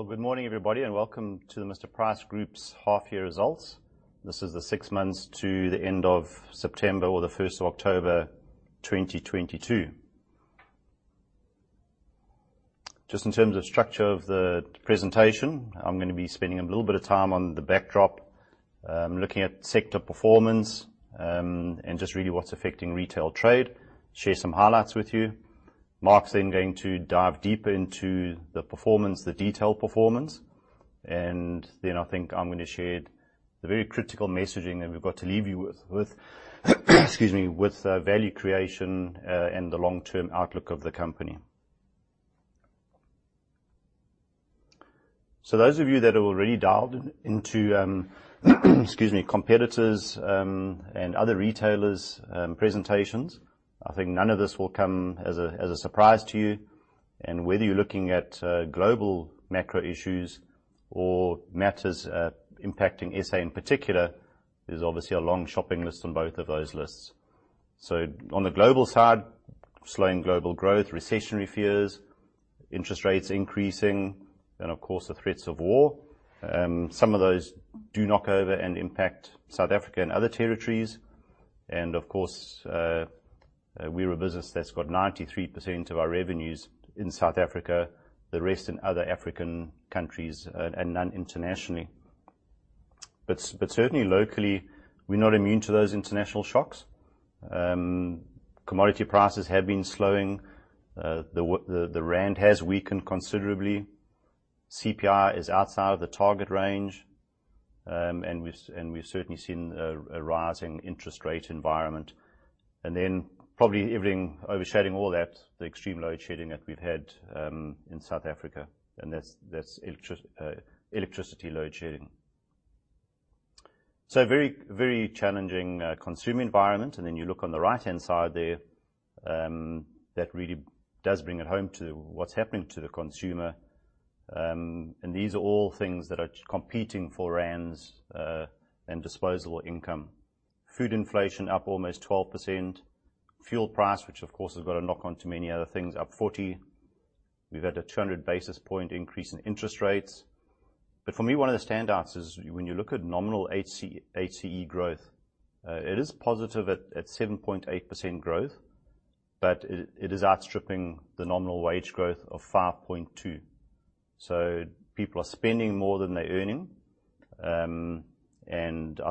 Well, good morning, everybody, and welcome to the Mr Price Group's half year results. This is the six months to the end of September or the 1st of October 2022. In terms of structure of the presentation, I'm going to be spending a little bit of time on the backdrop, looking at sector performance, and really what's affecting retail trade, share some highlights with you. Mark's going to dive deeper into the detailed performance. I think I'm going to share the very critical messaging that we've got to leave you with value creation and the long-term outlook of the company. Those of you that have already dialed into competitors' and other retailers' presentations, I think none of this will come as a surprise to you. Whether you're looking at global macro issues or matters impacting S.A. in particular, there's obviously a long shopping list on both of those lists. On the global side, slowing global growth, recessionary fears, interest rates increasing, and of course, the threats of war. Some of those do knock over and impact South Africa and other territories. Of course, we're a business that's got 93% of our revenues in South Africa, the rest in other African countries, and none internationally. Certainly locally, we're not immune to those international shocks. Commodity prices have been slowing. The rand has weakened considerably. CPI is outside of the target range. We've certainly seen a rise in interest rate environment. Probably overshadowing all that, the extreme load shedding that we've had in South Africa, and that's electricity load shedding. Very challenging consumer environment. You look on the right-hand side there, that really does bring it home to what's happening to the consumer. These are all things that are competing for rands and disposable income. Food inflation up almost 12%. Fuel price, which of course, has got a knock-on to many other things, up 40%. We've had a 200 basis point increase in interest rates. For me, one of the standouts is when you look at nominal HCE growth, it is positive at 7.8% growth, but it is outstripping the nominal wage growth of 5.2%. People are spending more than they're earning. I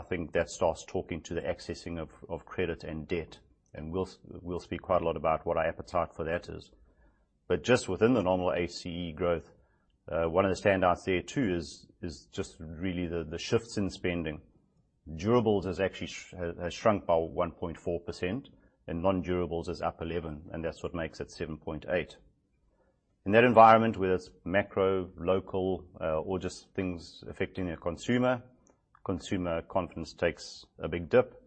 think that starts talking to the accessing of credit and debt. We'll speak quite a lot about what our appetite for that is. Just within the nominal HCE growth, one of the standouts there too is just really the shifts in spending. Durables has actually shrunk by 1.4% and non-durables is up 11%, and that's what makes it 7.8. In that environment, whether it's macro, local, or just things affecting a consumer confidence takes a big dip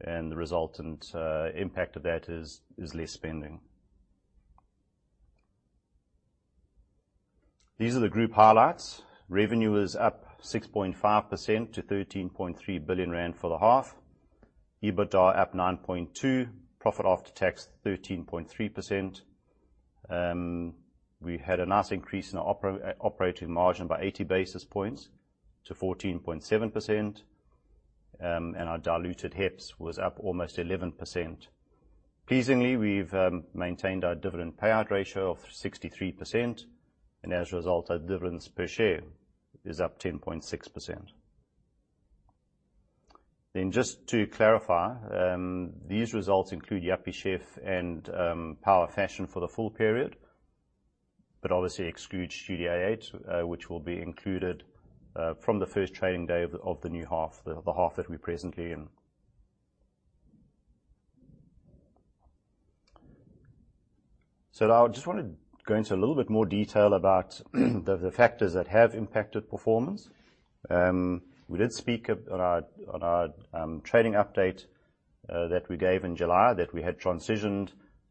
and the resultant impact of that is less spending. These are the group highlights. Revenue is up 6.5% to 13.3 billion rand for the half. EBITDA up 9.2%. Profit after tax, 13.3%. We had a nice increase in our operating margin by 80 basis points to 14.7%. Our diluted HEPS was up almost 11%. Pleasingly, we've maintained our dividend payout ratio of 63%, and as a result, our dividends per share is up 10.6%. To clarify, these results include Yuppiechef and Power Fashion for the full period, but obviously exclude Studio 88, which will be included from the first trading day of the new half, the half that we're presently in. I just want to go into a little bit more detail about the factors that have impacted performance. We did speak on our trading update that we gave in July that we had transitioned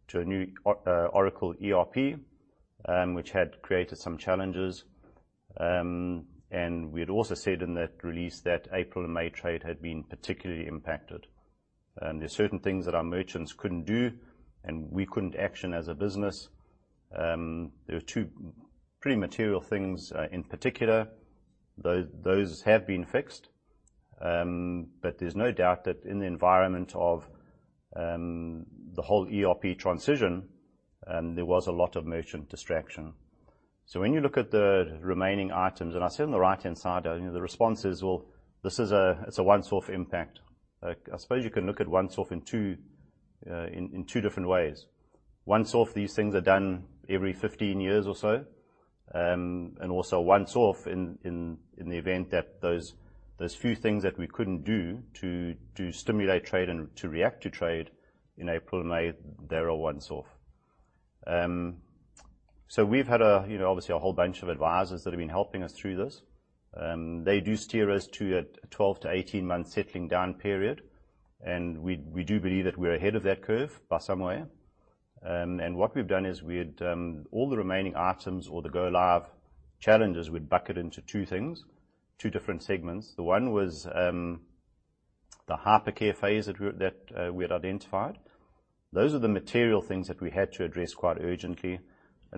to a new Oracle ERP, which had created some challenges. We had also said in that release that April and May trade had been particularly impacted. There's certain things that our merchants couldn't do and we couldn't action as a business. There were two pretty material things in particular. Those have been fixed, but there's no doubt that in the environment of the whole ERP transition, there was a lot of merchant distraction. When you look at the remaining items, and I said on the right-hand side, the response is, well, it's a once-off impact. I suppose you can look at once off in two different ways. Once off, these things are done every 15 years or so, also once off in the event that those few things that we couldn't do to stimulate trade and to react to trade in April and May, they're a once off. We've had obviously a whole bunch of advisors that have been helping us through this. They do steer us to a 12 to 18 month settling down period, we do believe that we're ahead of that curve by some way. What we've done is all the remaining items or the go live challenges, we'd bucket into two things, two different segments. The one was the hypercare phase that we had identified. Those are the material things that we had to address quite urgently.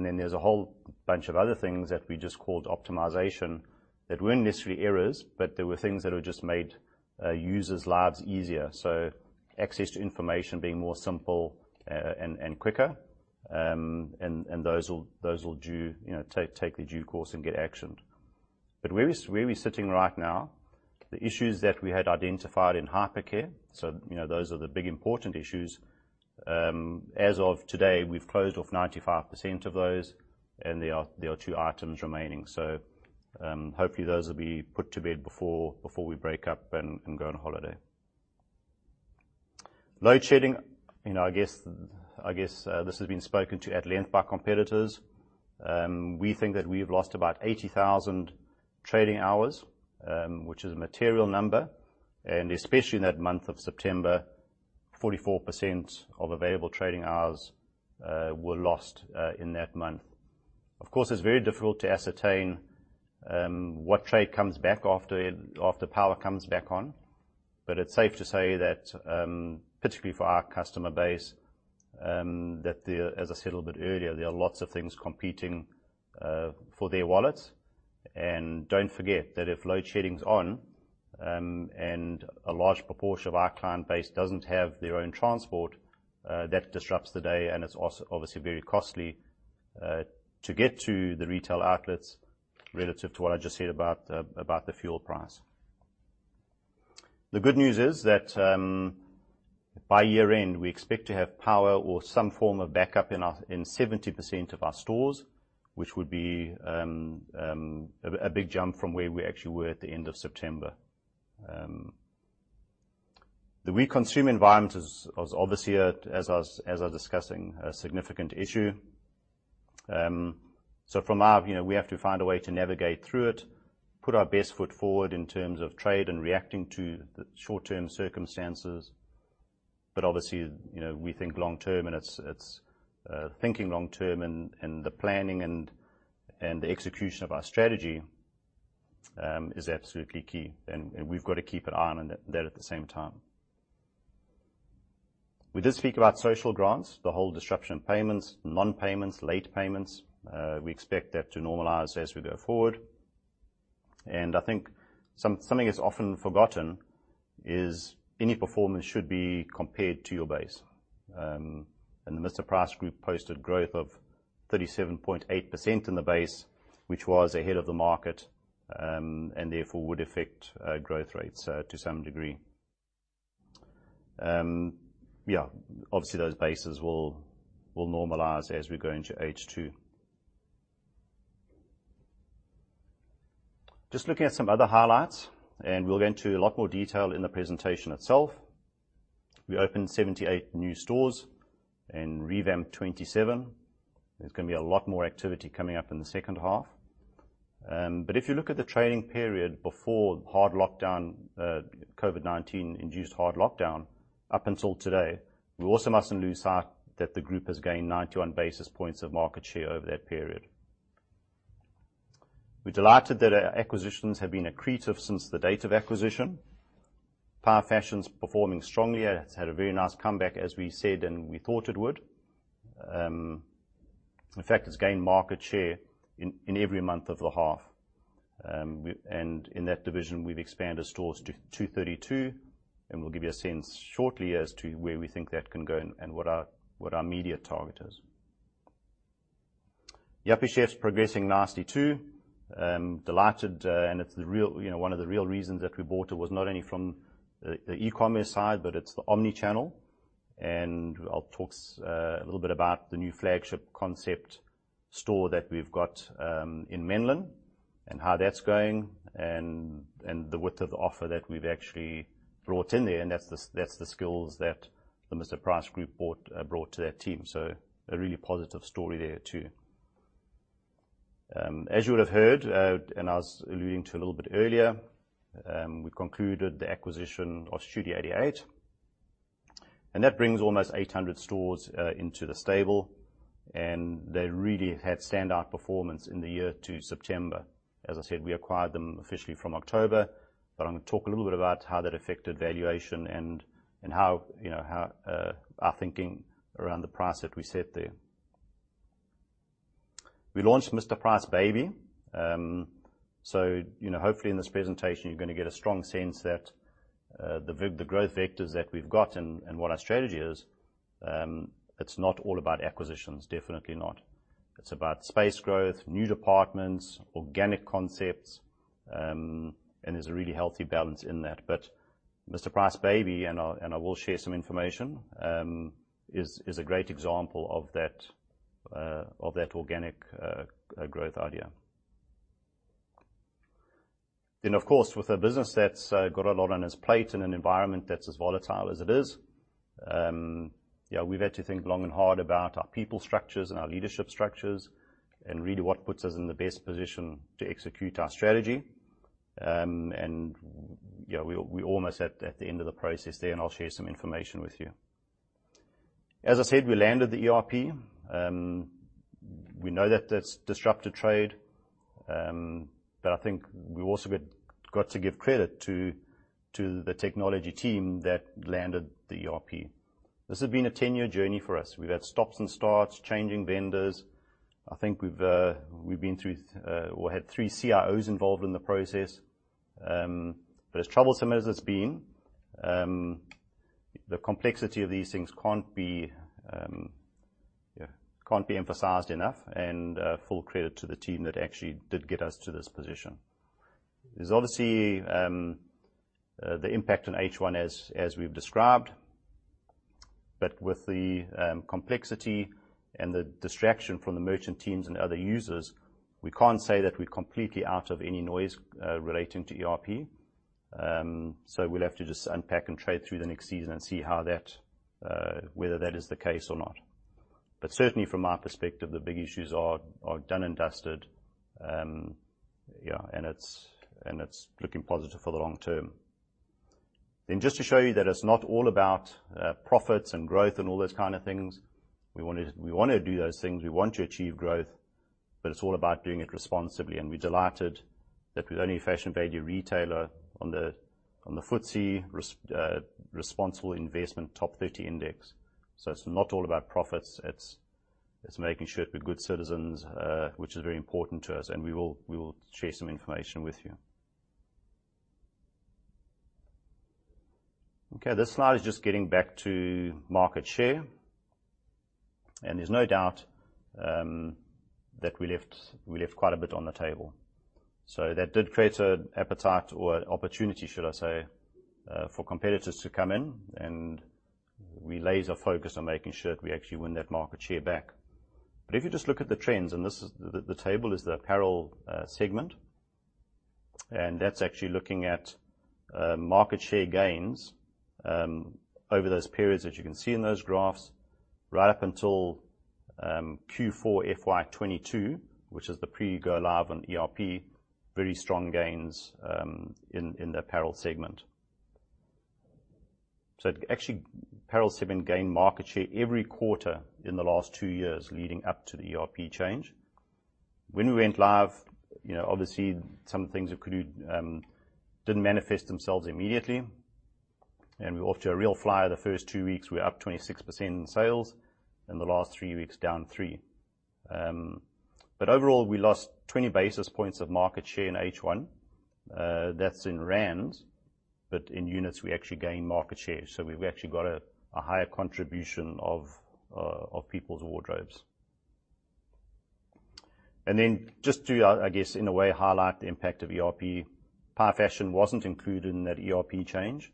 Then there's a whole bunch of other things that we just called optimization that weren't necessarily errors, but they were things that would just made users' lives easier. Access to information being more simple and quicker, those will take the due course and get actioned. Where we're sitting right now, the issues that we had identified in hypercare, those are the big important issues. As of today, we've closed off 95% of those, there are two items remaining. Hopefully those will be put to bed before we break up and go on holiday. Load shedding, I guess this has been spoken to at length by competitors. We think that we've lost about 80,000 trading hours, which is a material number, especially in that month of September, 44% of available trading hours were lost in that month. Of course, it's very difficult to ascertain what trade comes back after power comes back on. It's safe to say that, particularly for our customer base, that as I said a little bit earlier, there are lots of things competing for their wallets. Don't forget that if load shedding's on, a large proportion of our client base doesn't have their own transport, that disrupts the day, it's also obviously very costly to get to the retail outlets relative to what I just said about the fuel price. The good news is that, by year-end, we expect to have power or some form of backup in 70% of our stores, which would be a big jump from where we actually were at the end of September. The weak consumer environment is obviously, as I was discussing, a significant issue. We have to find a way to navigate through it, put our best foot forward in terms of trade and reacting to the short-term circumstances. Obviously, we think long term, and thinking long term and the planning and the execution of our strategy is absolutely key. We've got to keep an eye on that at the same time. We did speak about social grants, the whole disruption of payments, non-payments, late payments. We expect that to normalize as we go forward. I think something that's often forgotten is any performance should be compared to your base. The Mr Price Group posted growth of 37.8% in the base, which was ahead of the market, and therefore would affect growth rates to some degree. Those bases will normalize as we go into H2. Just looking at some other highlights, and we'll go into a lot more detail in the presentation itself. We opened 78 new stores and revamped 27. There's going to be a lot more activity coming up in the second half. If you look at the trading period before COVID-19 induced hard lockdown, up until today, we also mustn't lose sight that the group has gained 91 basis points of market share over that period. We're delighted that our acquisitions have been accretive since the date of acquisition. Power Fashion's performing strongly. It's had a very nice comeback, as we said, and we thought it would. In fact, it's gained market share in every month of the half. In that division, we've expanded stores to 232, and we'll give you a sense shortly as to where we think that can go and what our immediate target is. Yuppiechef's progressing nicely, too. Delighted, and one of the real reasons that we bought it was not only from the e-commerce side, but it's the omnichannel. I'll talk a little bit about the new flagship concept store that we've got in Menlyn and how that's going and the width of the offer that we've actually brought in there, and that's the skills that the Mr Price Group brought to that team. A really positive story there, too. As you would have heard, and I was alluding to a little bit earlier, we concluded the acquisition of Studio 88, and that brings almost 800 stores into the stable, and they really had standout performance in the year to September. As I said, we acquired them officially from October, but I'm going to talk a little bit about how that affected valuation and our thinking around the price that we set there. We launched Mr Price Baby. Hopefully in this presentation, you're going to get a strong sense that the growth vectors that we've got and what our strategy is, it's not all about acquisitions, definitely not. It's about space growth, new departments, organic concepts, and there's a really healthy balance in that. Mr Price Baby, and I will share some information, is a great example of that organic growth idea. Of course, with a business that's got a lot on its plate in an environment that's as volatile as it is, we've had to think long and hard about our people structures and our leadership structures and really what puts us in the best position to execute our strategy. We're almost at the end of the process there, and I'll share some information with you. As I said, we landed the ERP. We know that's disrupted trade, but I think we also got to give credit to the technology team that landed the ERP. This has been a 10-year journey for us. We've had stops and starts, changing vendors. I think we've been through or had three CIOs involved in the process. As troublesome as it's been, the complexity of these things can't be emphasized enough, and full credit to the team that actually did get us to this position. There's obviously the impact on H1 as we've described, but with the complexity and the distraction from the merchant teams and other users, we can't say that we're completely out of any noise relating to ERP. So we'll have to just unpack and trade through the next season and see whether that is the case or not. But certainly, from our perspective, the big issues are done and dusted, and it's looking positive for the long term. Just to show you that it's not all about profits and growth and all those kind of things. We want to do those things, we want to achieve growth, but it's all about doing it responsibly, and we're delighted that we're the only fashion value retailer on the FTSE Responsible Investment Top 30 Index. So it's not all about profits, it's making sure that we're good citizens, which is very important to us, and we will share some information with you. This slide is just getting back to market share. There's no doubt that we left quite a bit on the table. So that did create an appetite or an opportunity, should I say, for competitors to come in, and we laser focus on making sure that we actually win that market share back. But if you just look at the trends, and the table is the apparel segment. That's actually looking at market share gains over those periods, as you can see in those graphs, right up until Q4 FY 2022, which is the pre-go live on ERP, very strong gains in the apparel segment. So actually, apparel segment gained market share every quarter in the last two years leading up to the ERP change. When we went live, obviously, some things didn't manifest themselves immediately, and we were off to a real flyer the first two weeks, we were up 26% in sales, and the last three weeks down 3%. But overall, we lost 20 basis points of market share in H1. That's in rands, but in units, we actually gained market share. So we've actually got a higher contribution of people's wardrobes. Just to, I guess, in a way, highlight the impact of ERP, Power Fashion wasn't included in that ERP change,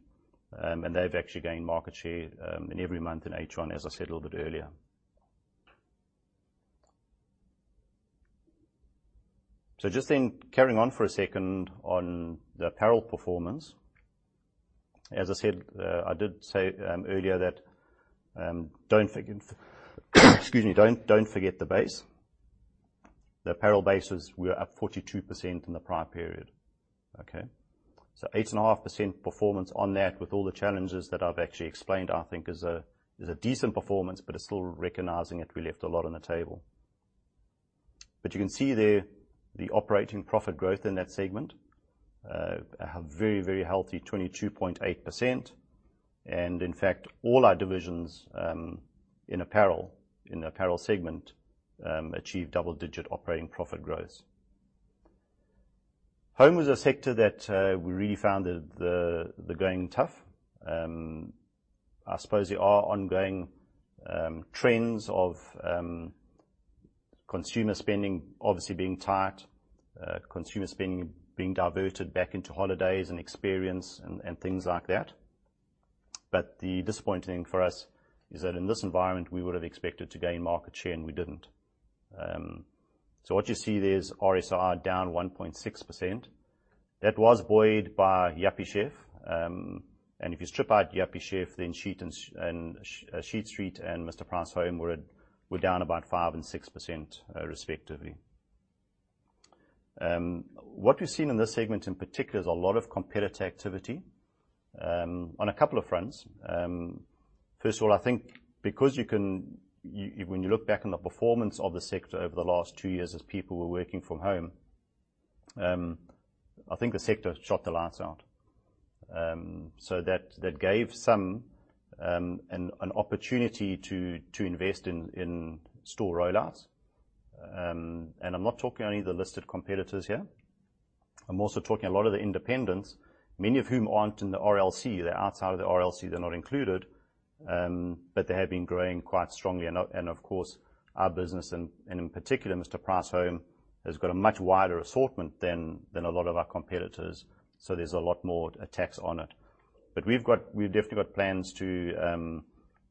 and they've actually gained market share in every month in H1, as I said a little bit earlier. Just carrying on for a second on the apparel performance. I did say earlier, don't forget the base. The apparel base was we were up 42% in the prior period. Okay. 8.5% performance on that with all the challenges that I've actually explained, I think is a decent performance, but it's still recognizing that we left a lot on the table. You can see there the operating profit growth in that segment, a very, very healthy 22.8%. In fact, all our divisions in the apparel segment achieved double-digit operating profit growth. Home was a sector that we really found the going tough. I suppose there are ongoing trends of consumer spending, obviously being tight, consumers being diverted back into holidays and experience and things like that. The disappointing thing for us is that in this environment, we would have expected to gain market share, and we didn't. What you see there is RSR down 1.6%. That was buoyed by Yuppiechef. If you strip out Yuppiechef, then Sheet Street and Mr Price Home were down about 5% and 6%, respectively. What we've seen in this segment, in particular, is a lot of competitor activity on a couple of fronts. First of all, I think because when you look back on the performance of the sector over the last two years as people were working from home, I think the sector shut the lights out. That gave some an opportunity to invest in store rollouts. I'm not talking only the listed competitors here. I'm also talking a lot of the independents, many of whom aren't in the RLC. They're outside of the RLC. They're not included. They have been growing quite strongly. Of course, our business, and in particular, Mr Price Home, has got a much wider assortment than a lot of our competitors, so there's a lot more attacks on it. We've definitely got plans to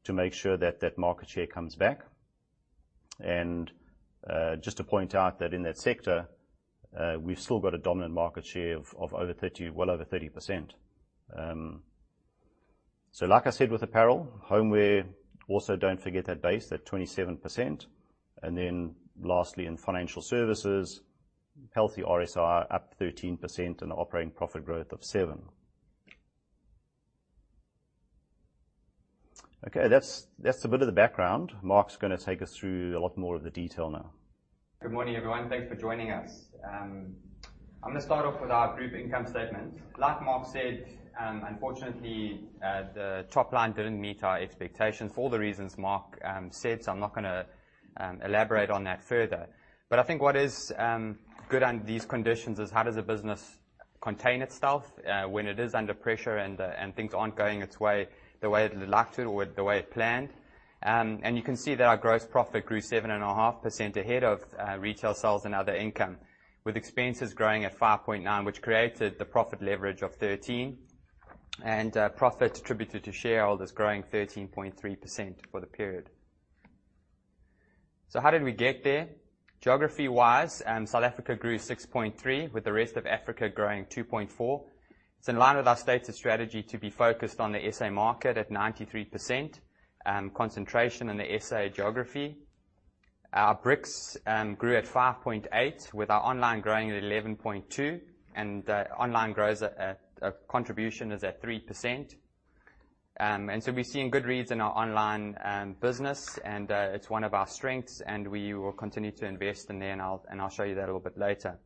make sure that that market share comes back. Just to point out that in that sector, we've still got a dominant market share of well over 30%. Like I said with apparel, homeware, also don't forget that base, that 27%. Lastly, in financial services, healthy RSR up 13% and operating profit growth of 7%. Okay. That's a bit of the background. Mark's going to take us through a lot more of the detail now. Good morning, everyone. Thanks for joining us. I'm going to start off with our group income statement. Like Mark said, unfortunately, the top line didn't meet our expectations for all the reasons Mark said, I'm not going to elaborate on that further. I think what is good under these conditions is how does a business contain itself when it is under pressure and things aren't going its way, the way it would like to, or the way it planned. You can see that our gross profit grew 7.5% ahead of retail sales and other income, with expenses growing at 5.9%, which created the profit leverage of 13%, and profit attributed to shareholders growing 13.3% for the period. How did we get there? Geography-wise, South Africa grew 6.3% with the rest of Africa growing 2.4%. It's in line with our stated strategy to be focused on the S.A. market at 93% concentration in the S.A. geography. Our bricks grew at 5.8% with our online growing at 11.2%, online contribution is at 3%. We're seeing good reads in our online business, it's one of our strengths, we will continue to invest in there, and I'll show you that a little bit later.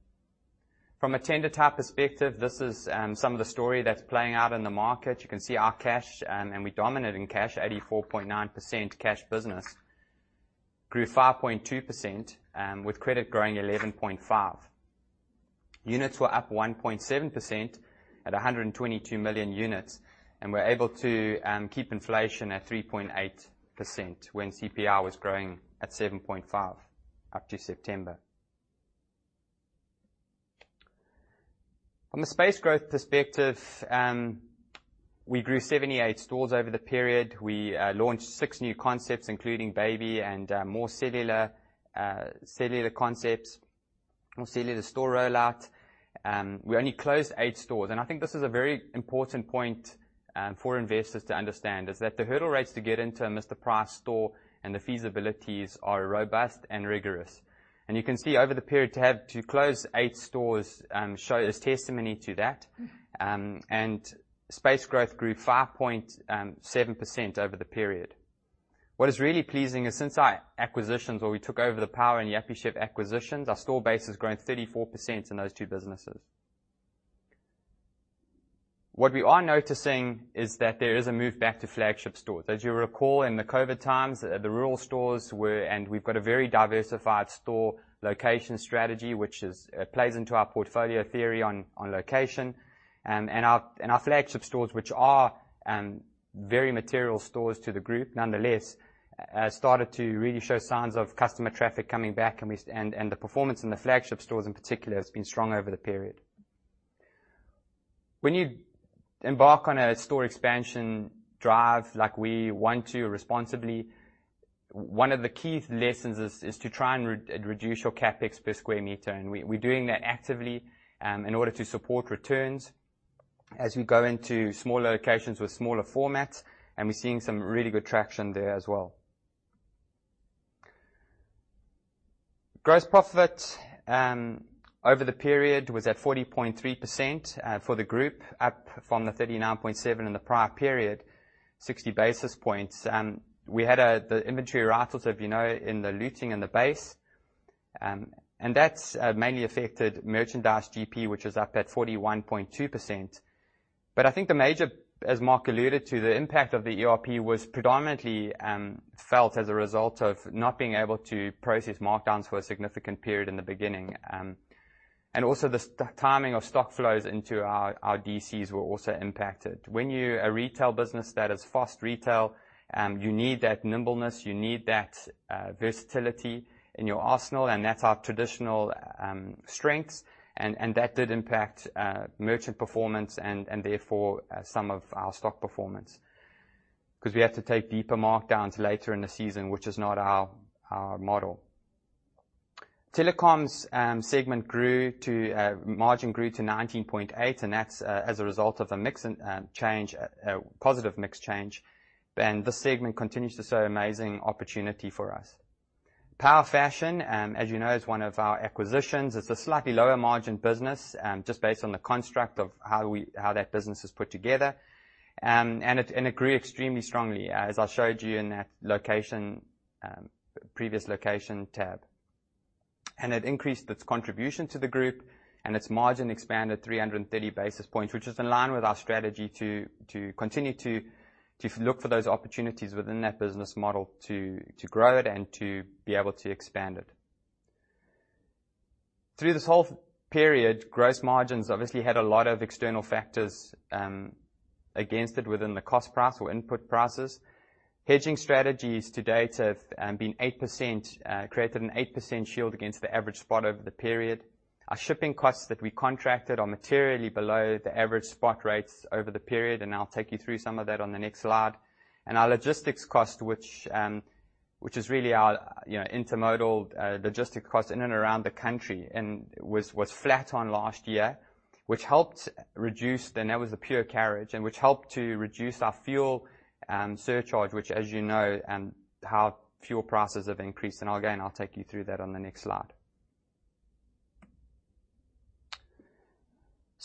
From a tender type perspective, this is some of the story that's playing out in the market. You can see our cash, we dominate in cash, 84.9% cash business grew 5.2%, with credit growing 11.5%. Units were up 1.7% at 122 million units, we're able to keep inflation at 3.8% when CPI was growing at 7.5% up to September. From a space growth perspective, we grew 78 stores over the period. We launched six new concepts, including Baby and more cellular concepts, more cellular store rollout. We only closed eight stores. I think this is a very important point for investors to understand, is that the hurdle rates to get into a Mr Price store and the feasibilities are robust and rigorous. You can see over the period to have to close eight stores shows testimony to that, space growth grew 5.7% over the period. What is really pleasing is since our acquisitions, where we took over the Power and Yuppiechef acquisitions, our store base has grown 34% in those two businesses. What we are noticing is that there is a move back to flagship stores. As you'll recall, in the COVID times, the rural stores were. We've got a very diversified store location strategy, which plays into our portfolio theory on location. Our flagship stores, which are very material stores to the group, nonetheless, started to really show signs of customer traffic coming back, the performance in the flagship stores in particular has been strong over the period. When you embark on a store expansion drive like we want to responsibly, one of the key lessons is to try and reduce your CapEx per square meter, we're doing that actively in order to support returns as we go into smaller locations with smaller formats, we're seeing some really good traction there as well. Gross profit over the period was at 40.3% for the group, up from the 39.7% in the prior period, 60 basis points. We had the inventory write-offs of, you know, in the looting and the base. That's mainly affected merchandise GP, which is up at 41.2%. I think the major, as Mark alluded to, the impact of the ERP was predominantly felt as a result of not being able to process markdowns for a significant period in the beginning. The timing of stock flows into our DCs were also impacted. When you're a retail business that is fast retail, you need that nimbleness, you need that versatility in your arsenal, and that's our traditional strengths, and that did impact merchant performance and therefore some of our stock performance, because we have to take deeper markdowns later in the season, which is not our model. Telecoms segment margin grew to 19.8%, and that's as a result of a positive mix change. This segment continues to show amazing opportunity for us. Power Fashion, as you know, is one of our acquisitions. It's a slightly lower margin business, just based on the construct of how that business is put together. It grew extremely strongly, as I showed you in that previous location tab. It increased its contribution to the group, and its margin expanded 330 basis points, which is in line with our strategy to continue to look for those opportunities within that business model to grow it and to be able to expand it. Through this whole period, gross margins obviously had a lot of external factors against it within the cost price or input prices. Hedging strategies to date have created an 8% shield against the average spot over the period. Our shipping costs that we contracted are materially below the average spot rates over the period, and I'll take you through some of that on the next slide. Our logistics cost, which is really our intermodal logistic cost in and around the country, was flat on last year, which helped reduce. That was the pure carriage, which helped to reduce our fuel surcharge, which, as you know, how fuel prices have increased. Again, I'll take you through that on the next slide.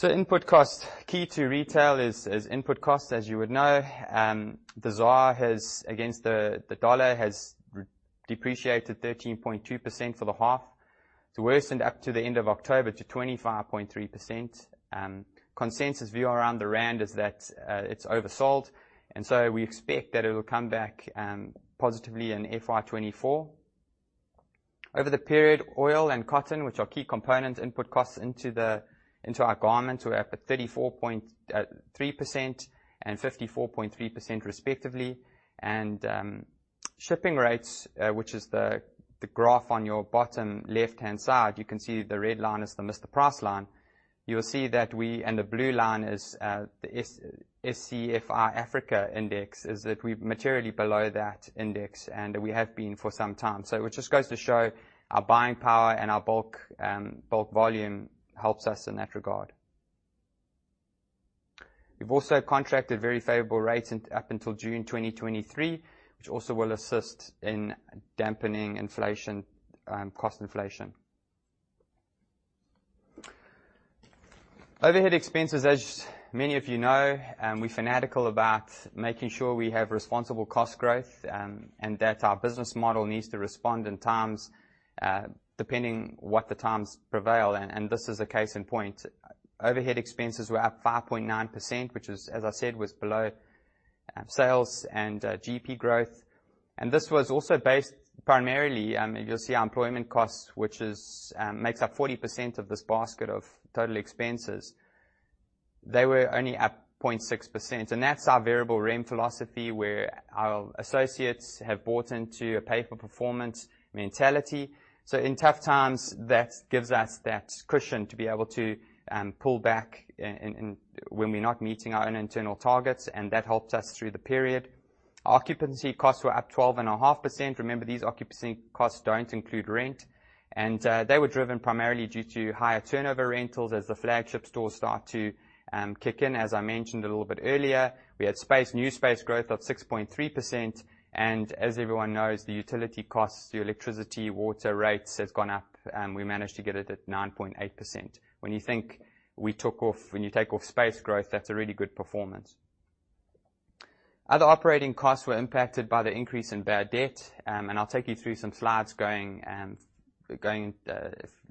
Input cost. Key to retail is input cost, as you would know. The ZAR against the dollar has depreciated 13.2% for the half. It's worsened up to the end of October to 23.5%. Consensus view around the rand is that it's oversold, and we expect that it will come back positively in FY 2024. Over the period, oil and cotton, which are key component input costs into our garments, were up at 34.3% and 54.3%, respectively. Shipping rates, which is the graph on your bottom left-hand side, you can see the red line is the Mr Price line. You will see that we. The blue line is the SCFI Africa index, is that we're materially below that index, and we have been for some time. Which just goes to show our buying power and our bulk volume helps us in that regard. We've also contracted very favorable rates up until June 2023, which also will assist in dampening cost inflation. Overhead expenses, as many of you know, we're fanatical about making sure we have responsible cost growth and that our business model needs to respond in times, depending what the times prevail. This is a case in point. Overhead expenses were up 5.9%, which, as I said, was below sales and GP growth. this was also based primarily, you'll see our employment costs, which makes up 40% of this basket of total expenses. They were only up 0.6%. That's our variable REM philosophy, where our associates have bought into a pay-for-performance mentality. In tough times, that gives us that cushion to be able to pull back when we're not meeting our own internal targets, and that helped us through the period. Occupancy costs were up 12.5%. Remember, these occupancy costs don't include rent, and they were driven primarily due to higher turnover rentals as the flagship stores start to kick in. As I mentioned a little bit earlier, we had new space growth of 6.3%. As everyone knows, the utility costs, the electricity, water rates have gone up. We managed to get it at 9.8%. When you take off space growth, that's a really good performance. Other operating costs were impacted by the increase in bad debt. I'll take you through some slides going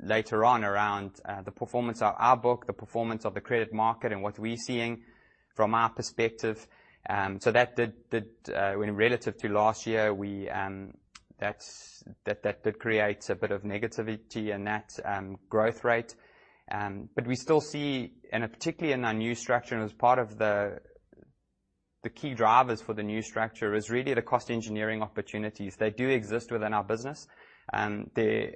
later on around the performance of our book, the performance of the credit market, and what we're seeing from our perspective. That did, relative to last year, that did create a bit of negativity in that growth rate. We still see, and particularly in our new structure and as part of the key drivers for the new structure, is really the cost engineering opportunities. They do exist within our business.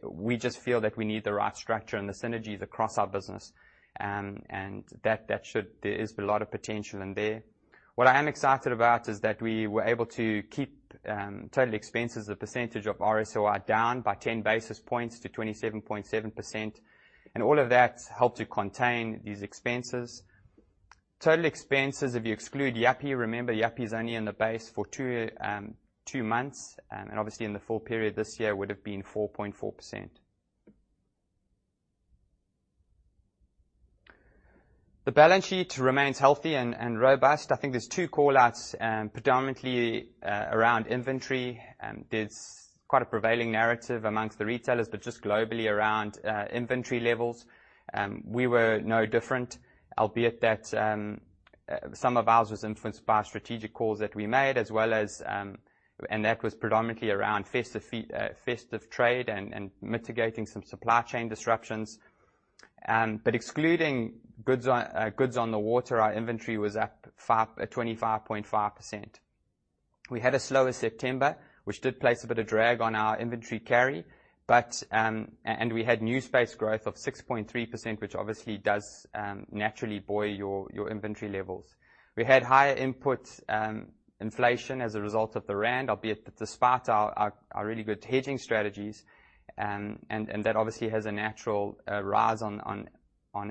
We just feel that we need the right structure and the synergies across our business. There is a lot of potential in there. What I am excited about is that we were able to keep total expenses as a percentage of RSOI down by 10 basis points to 27.7%. All of that helped to contain these expenses. Total expenses, if you exclude Yuppiechef, remember, Yuppiechef is only in the base for two months, and obviously in the full period this year would've been 4.4%. The balance sheet remains healthy and robust. I think there's two call-outs predominantly around inventory. There's quite a prevailing narrative amongst the retailers, but just globally around inventory levels. We were no different, albeit that some of ours was influenced by strategic calls that we made, and that was predominantly around festive trade and mitigating some supply chain disruptions. Excluding goods on the water, our inventory was up 25.5%. We had a slower September, which did place a bit of drag on our inventory carry. We had new space growth of 6.3%, which obviously does naturally buoy your inventory levels. We had higher input inflation as a result of the rand, albeit despite our really good hedging strategies, that obviously has a natural rise on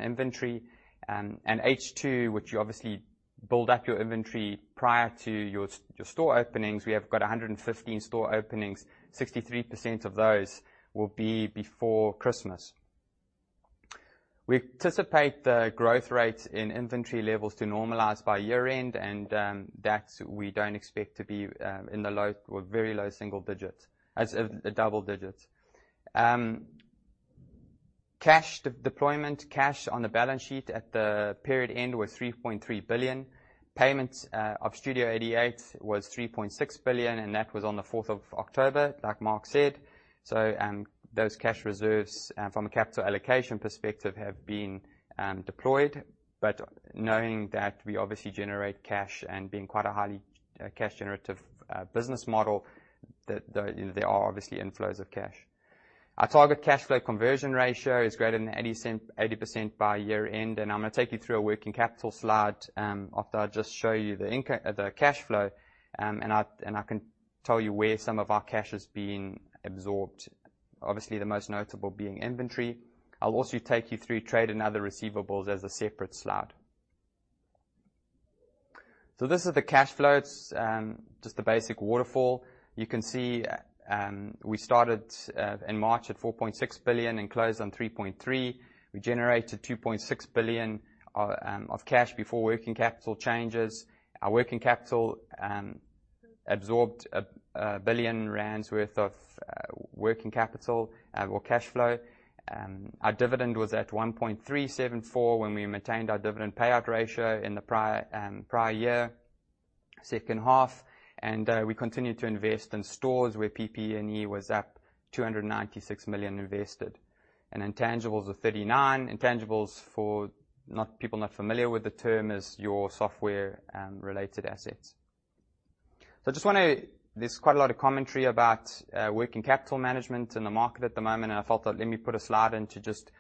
inventory. H2, which you obviously build up your inventory prior to your store openings. We have got 115 store openings. 63% of those will be before Christmas. We anticipate the growth rates in inventory levels to normalize by year-end, and that we don't expect to be in the very low double digits. Cash deployment. Cash on the balance sheet at the period end was 3.3 billion. Payment of Studio 88 was 3.6 billion, and that was on the 4th of October, like Mark said. Those cash reserves from a capital allocation perspective have been deployed. Knowing that we obviously generate cash and being quite a highly cash generative business model, there are obviously inflows of cash. Our target cash flow conversion ratio is greater than 80% by year-end. I'm going to take you through a working capital slide after I just show you the cash flow. I can tell you where some of our cash is being absorbed, obviously, the most notable being inventory. I'll also take you through trade and other receivables as a separate slide. This is the cash flow. It's just the basic waterfall. You can see we started in March at 4.6 billion and closed on 3.3 billion. We generated 2.6 billion of cash before working capital changes. Our working capital absorbed 1 billion rand worth of working capital or cash flow. Our dividend was at 1.374 when we maintained our dividend payout ratio in the prior year, second half. We continued to invest in stores where PP&E was up 296 million invested. Intangibles of 39 million. Intangibles, for people not familiar with the term, is your software and related assets. There's quite a lot of commentary about working capital management in the market at the moment. I thought that let me put a slide in to just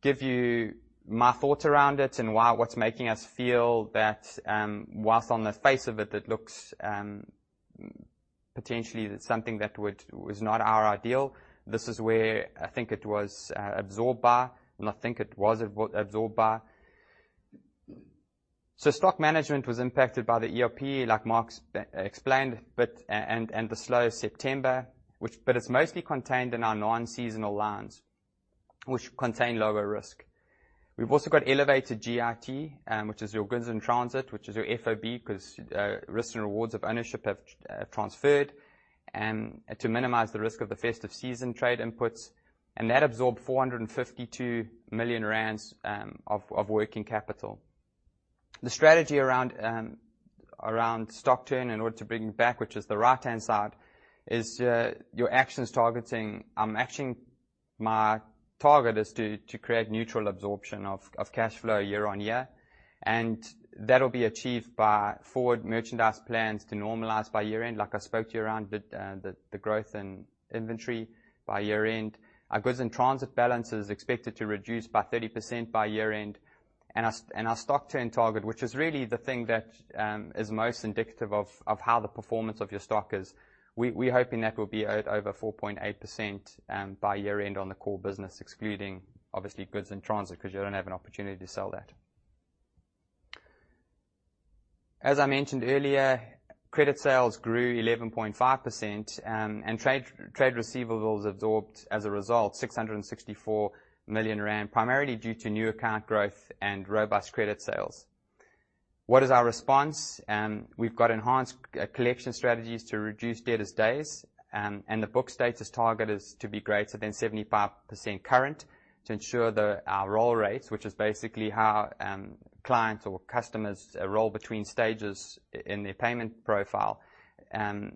give you my thoughts around it and what's making us feel that, whilst on the face of it looks potentially something that was not our ideal. This is where I think it was absorbed by. Not think, it was absorbed by. Stock management was impacted by the ERP, like Mark explained, the slow September, but it's mostly contained in our non-seasonal lines, which contain lower risk. We've also got elevated GIT, which is your goods in transit, which is your FOB, because risks and rewards of ownership have transferred to minimize the risk of the festive season trade inputs. That absorbed 452 million rand of working capital. The strategy around stock turn in order to bring back, which is the right-hand side, is your actions targeting. My target is to create neutral absorption of cash flow year-on-year. That'll be achieved by forward merchandise plans to normalize by year-end, like I spoke to you around the growth in inventory by year-end. Our goods in transit balance is expected to reduce by 30% by year-end. Our stock turn target, which is really the thing that is most indicative of how the performance of your stock is, we're hoping that will be at over 4.8% by year-end on the core business, excluding obviously goods in transit, because you don't have an opportunity to sell that. As I mentioned earlier, credit sales grew 11.5%. Trade receivables absorbed, as a result, 664 million rand, primarily due to new account growth and robust credit sales. What is our response? We've got enhanced collection strategies to reduce debtors days. The book status target is to be greater than 75% current to ensure our roll rates, which is basically how clients or customers roll between stages in their payment profile. I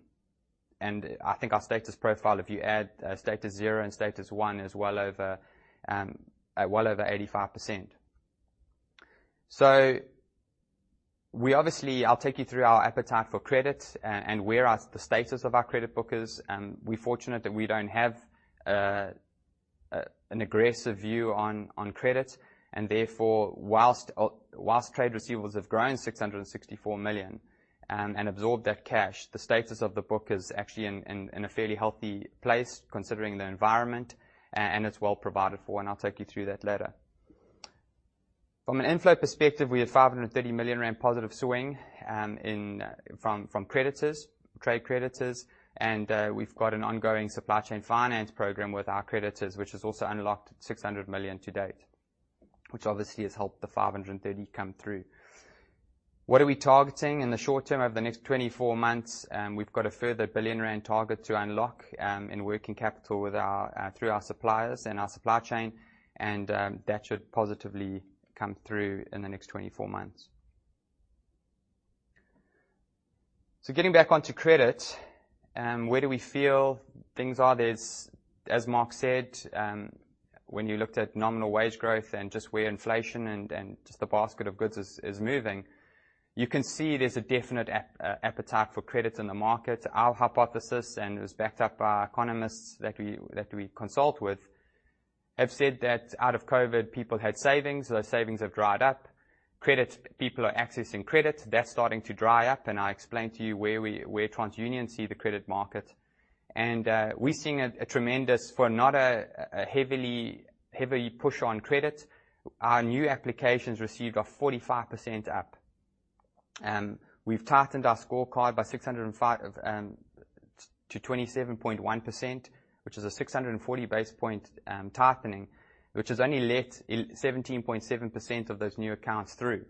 think our status profile, if you add status zero and status one, is well over 85%. Obviously, I'll take you through our appetite for credit and where the status of our credit book is. We're fortunate that we don't have an aggressive view on credit, therefore, whilst trade receivables have grown 664 million and absorbed that cash, the status of the book is actually in a fairly healthy place, considering the environment, and it's well provided for, and I'll take you through that later. From an inflow perspective, we had 530 million rand positive swing from trade creditors, and we've got an ongoing supply chain finance program with our creditors, which has also unlocked 600 million to date, which obviously has helped the 530 come through. What are we targeting in the short term over the next 24 months? We've got a further 1 billion rand target to unlock in working capital through our suppliers and our supply chain, and that should positively come through in the next 24 months. Getting back onto credit, where do we feel things are? As Mark said, when you looked at nominal wage growth and just where inflation and just the basket of goods is moving, you can see there's a definite appetite for credit in the market. Our hypothesis, and it was backed up by our economists that we consult with, have said that out of COVID-19, people had savings. Those savings have dried up. People are accessing credit. That's starting to dry up, and I explained to you where TransUnion see the credit market. We're seeing a tremendous, for not a heavily push on credit, our new applications received are 45% up. We've tightened our scorecard to 27.1%, which is a 640 basis point tightening, which has only let 17.7% of those new accounts through,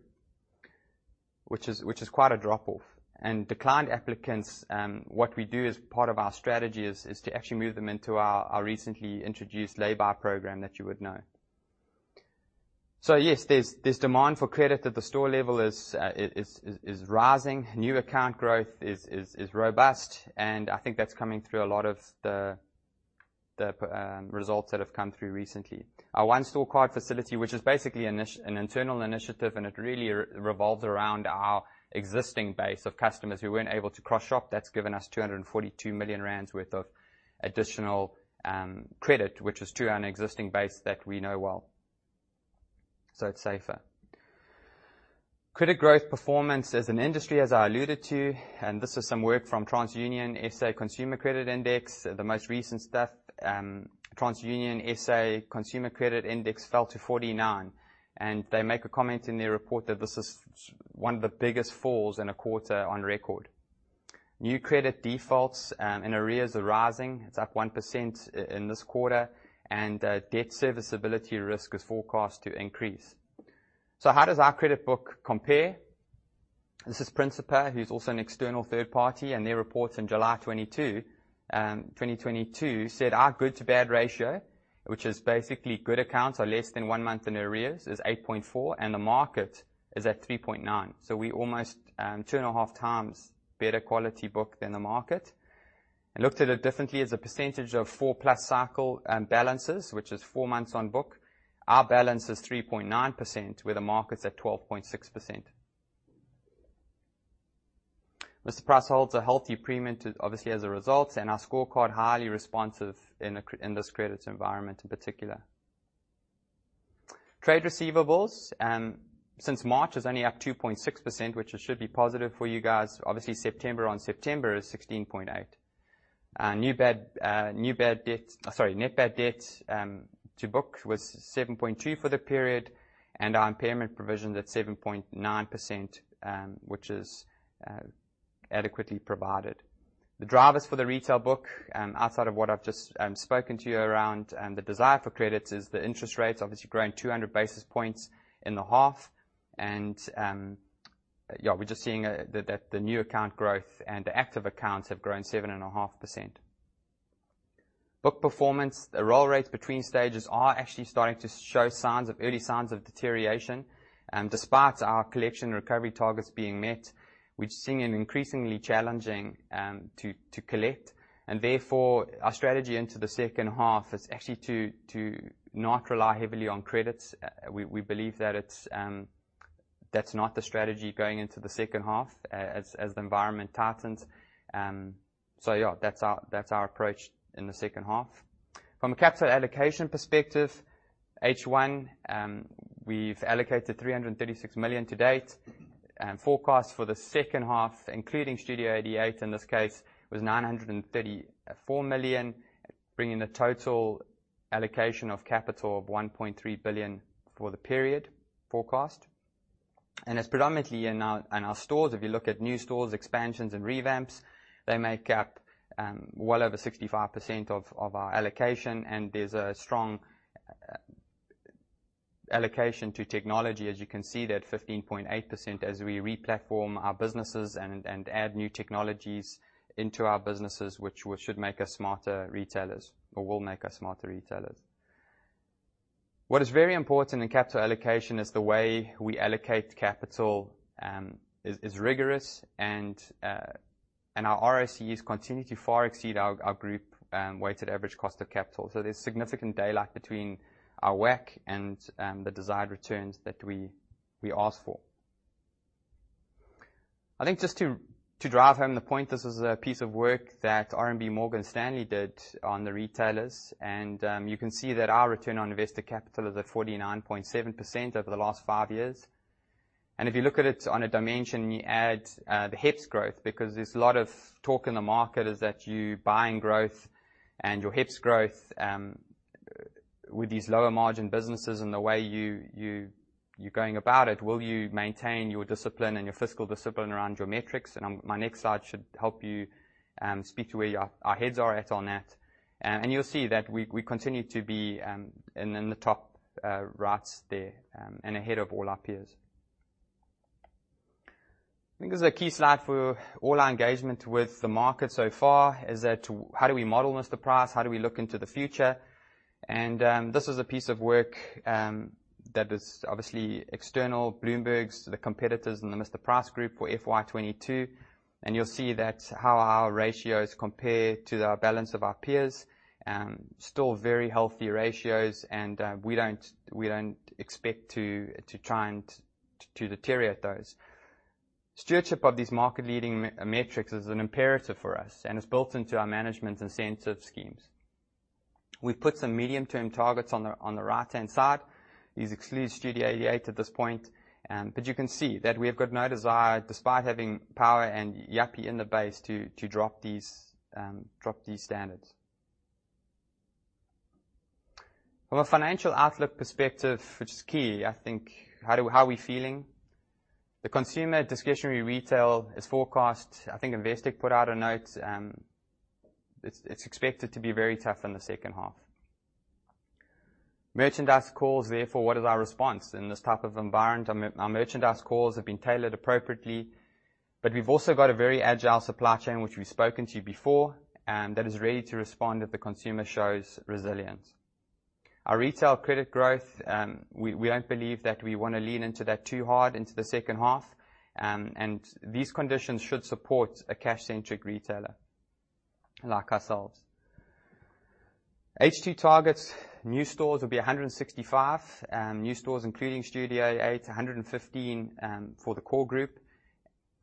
which is quite a drop-off. Declined applicants, what we do as part of our strategy is to actually move them into our recently introduced Lay-by program that you would know. Yes, there's demand for credit at the store level is rising. New account growth is robust, and I think that's coming through a lot of the results that have come through recently. Our One Card facility, which is basically an internal initiative, and it really revolves around our existing base of customers who weren't able to cross shop. That's given us 242 million rand worth of additional credit, which is to our existing base that we know well. It's safer. Credit growth performance as an industry, as I alluded to, this is some work from TransUnion SA Consumer Credit Index, the most recent stuff. TransUnion SA Consumer Credit Index fell to 49, and they make a comment in their report that this is one of the biggest falls in a quarter on record. New credit defaults and arrears are rising. It's up 1% in this quarter, and debt serviceability risk is forecast to increase. How does our credit book compare? This is Principia, who's also an external third party, and their reports in July 2022 said our good to bad ratio, which is basically good accounts are less than 1 month in arrears, is 8.4, and the market is at 3.9. We're almost 2.5 times better quality book than the market. Looked at it differently as a percentage of 4-plus cycle balances, which is four months on book, our balance is 3.9%, where the market's at 12.6%. Mr Price holds a healthy premium, obviously, as a result, our scorecard highly responsive in this credit environment in particular. Trade receivables, since March, is only up 2.6%, which should be positive for you guys. Obviously, September on September is 16.8%. Net bad debt to book was 7.2% for the period, our impairment provisioned at 7.9%, which is adequately provided. The drivers for the retail book, outside of what I've just spoken to you around, the desire for credit is the interest rates, obviously growing 200 basis points in the half. We're just seeing that the new account growth and the active accounts have grown 7.5%. Book performance, the roll rates between stages are actually starting to show early signs of deterioration. Despite our collection recovery targets being met, we're seeing it increasingly challenging to collect, therefore our strategy into the second half is actually to not rely heavily on credits. We believe that's not the strategy going into the second half as the environment tightens. That's our approach in the second half. From a capital allocation perspective, H1, we've allocated 336 million to date. Forecast for the second half, including Studio 88 in this case, was 934 million, bringing the total allocation of capital of 1.3 billion for the period forecast. It's predominantly in our stores. If you look at new stores, expansions, and revamps, they make up well over 65% of our allocation, there's a strong allocation to technology, as you can see there, 15.8%, as we re-platform our businesses and add new technologies into our businesses, which should make us smarter retailers or will make us smarter retailers. What is very important in capital allocation is the way we allocate capital is rigorous and our ROCEs continue to far exceed our group weighted average cost of capital. There's significant daylight between our WACC and the desired returns that we ask for. I think just to drive home the point, this is a piece of work that RMB Morgan Stanley did on the retailers, you can see that our return on invested capital is at 49.7% over the last 5 years. If you look at it on a dimension, we add the HEPS growth because there's a lot of talk in the market is that you buying growth and your HEPS growth with these lower margin businesses and the way you're going about it, will you maintain your discipline and your fiscal discipline around your metrics? My next slide should help you speak to where our heads are at on that. You'll see that we continue to be in the top rights there and ahead of all our peers. I think this is a key slide for all our engagement with the market so far, is that how do we model Mr Price? How do we look into the future? This is a piece of work that is obviously external, Bloomberg, the competitors in the Mr Price Group for FY 2022. You'll see that how our ratios compare to the balance of our peers, still very healthy ratios, and we don't expect to try and to deteriorate those. Stewardship of these market leading metrics is an imperative for us and is built into our management incentive schemes. We've put some medium-term targets on the right-hand side. These exclude Studio 88 at this point. You can see that we have got no desire, despite having Power and Yuppie in the base, to drop these standards. From a financial outlook perspective, which is key, I think, how are we feeling? The consumer discretionary retail is forecast. I think Investec put out a note. It's expected to be very tough in the second half. Merchandise calls. Therefore, what is our response? In this type of environment, our merchandise calls have been tailored appropriately, but we've also got a very agile supply chain, which we've spoken to before, that is ready to respond if the consumer shows resilience. Our retail credit growth, we don't believe that we want to lean into that too hard into the second half, and these conditions should support a cash-centric retailer like ourselves. H2 targets. New stores will be 165. New stores, including Studio 88, 115 for the core group.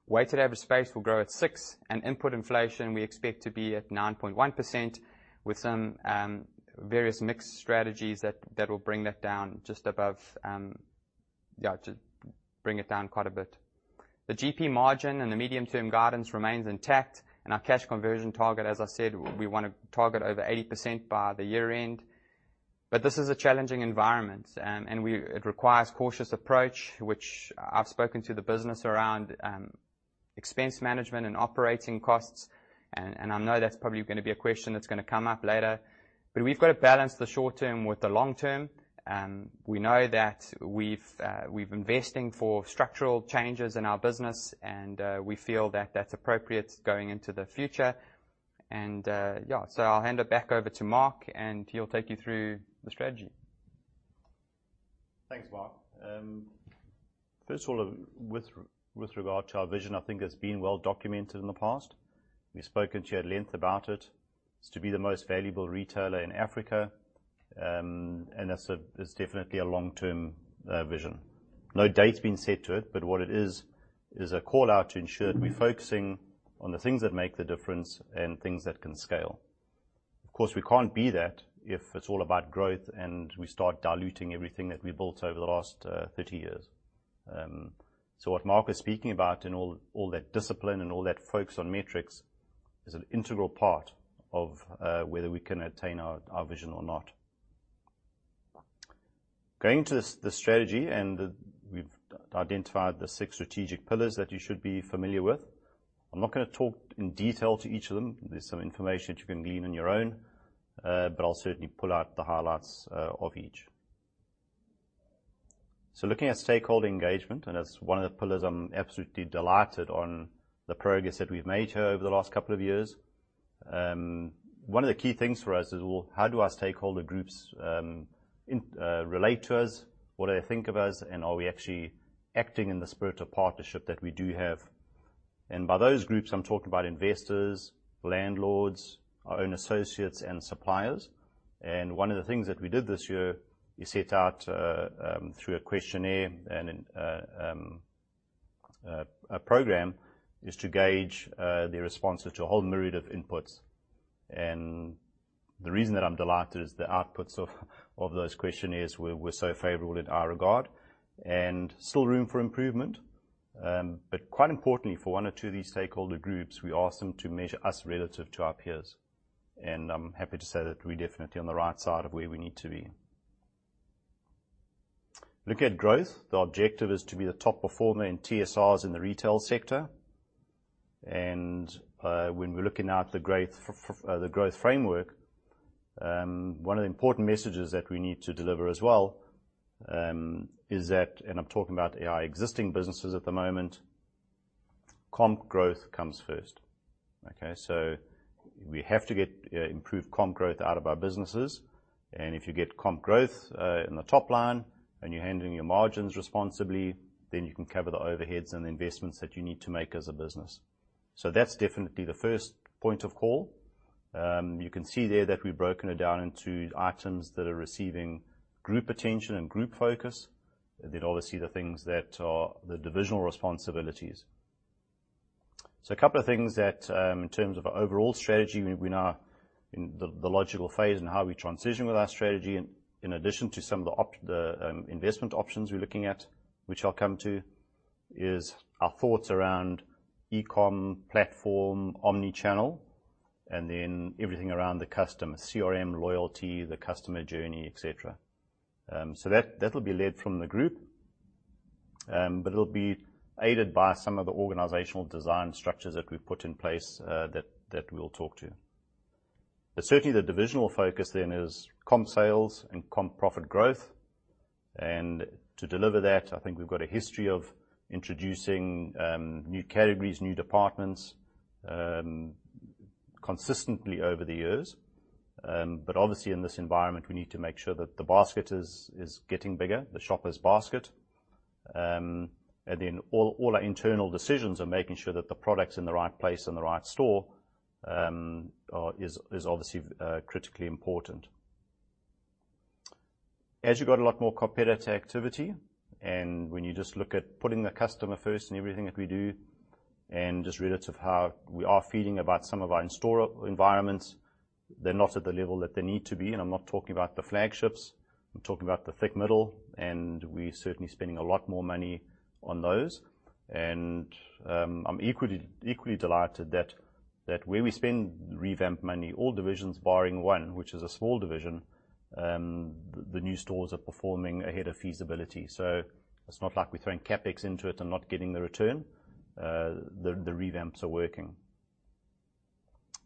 Weighted average space will grow at six, and input inflation we expect to be at 9.1% with some various mixed strategies that will bring that down quite a bit. The GP margin and the medium-term guidance remains intact, and our cash conversion target, as I said, we want to target over 80% by the year end. This is a challenging environment, and it requires cautious approach, which I've spoken to the business around expense management and operating costs, and I know that's probably going to be a question that's going to come up later. We've got to balance the short term with the long term. We know that we've investing for structural changes in our business and we feel that that's appropriate going into the future. I'll hand it back over to Mark and he'll take you through the strategy. Thanks, Mark. First of all, with regard to our vision, I think it's been well documented in the past. We've spoken to you at length about it. It's to be the most valuable retailer in Africa, and that's definitely a long-term vision. No date's been set to it, but what it is a call out to ensure that we're focusing on the things that make the difference and things that can scale. Of course, we can't be that if it's all about growth and we start diluting everything that we've built over the last 30 years. What Mark is speaking about in all that discipline and all that focus on metrics is an integral part of whether we can attain our vision or not. Going to the strategy, we've identified the six strategic pillars that you should be familiar with. I'm not going to talk in detail to each of them. There's some information that you can glean on your own. I'll certainly pull out the highlights of each. Looking at stakeholder engagement, that's one of the pillars I'm absolutely delighted on the progress that we've made here over the last couple of years. One of the key things for us is, well, how do our stakeholder groups relate to us? What do they think of us? Are we actually acting in the spirit of partnership that we do have? By those groups, I'm talking about investors, landlords, our own associates, and suppliers. One of the things that we did this year is set out, through a questionnaire and a program, is to gauge their responses to a whole myriad of inputs. The reason that I'm delighted is the outputs of those questionnaires were so favorable in our regard. Still room for improvement, but quite importantly, for one or two of these stakeholder groups, we asked them to measure us relative to our peers. I'm happy to say that we're definitely on the right side of where we need to be. Looking at growth, the objective is to be the top performer in TSRs in the retail sector. When we're looking at the growth framework, one of the important messages that we need to deliver as well, and I'm talking about our existing businesses at the moment, comp growth comes first. Okay? We have to get improved comp growth out of our businesses. If you get comp growth in the top line and you're handling your margins responsibly, you can cover the overheads and the investments that you need to make as a business. That's definitely the first point of call. You can see there that we've broken it down into items that are receiving group attention and group focus. Obviously the things that are the divisional responsibilities. A couple of things that, in terms of our overall strategy, we're now in the logical phase in how we transition with our strategy. In addition to some of the investment options we're looking at, which I'll come to, is our thoughts around eCom platform omnichannel, and everything around the customer, CRM, loyalty, the customer journey, et cetera. That'll be led from the group, but it'll be aided by some of the organizational design structures that we've put in place, that we'll talk to. Certainly the divisional focus is comp sales and comp profit growth. To deliver that, I think we've got a history of introducing new categories, new departments consistently over the years. Obviously in this environment, we need to make sure that the basket is getting bigger, the shopper's basket. All our internal decisions are making sure that the product's in the right place in the right store, is obviously critically important. As you've got a lot more competitive activity, when you just look at putting the customer first in everything that we do and just relative how we are feeling about some of our in-store environments, they're not at the level that they need to be. I'm not talking about the flagships, I'm talking about the thick middle, we're certainly spending a lot more money on those. I'm equally delighted that where we spend revamp money, all divisions barring one, which is a small division, the new stores are performing ahead of feasibility. It's not like we're throwing CapEx into it and not getting the return. The revamps are working.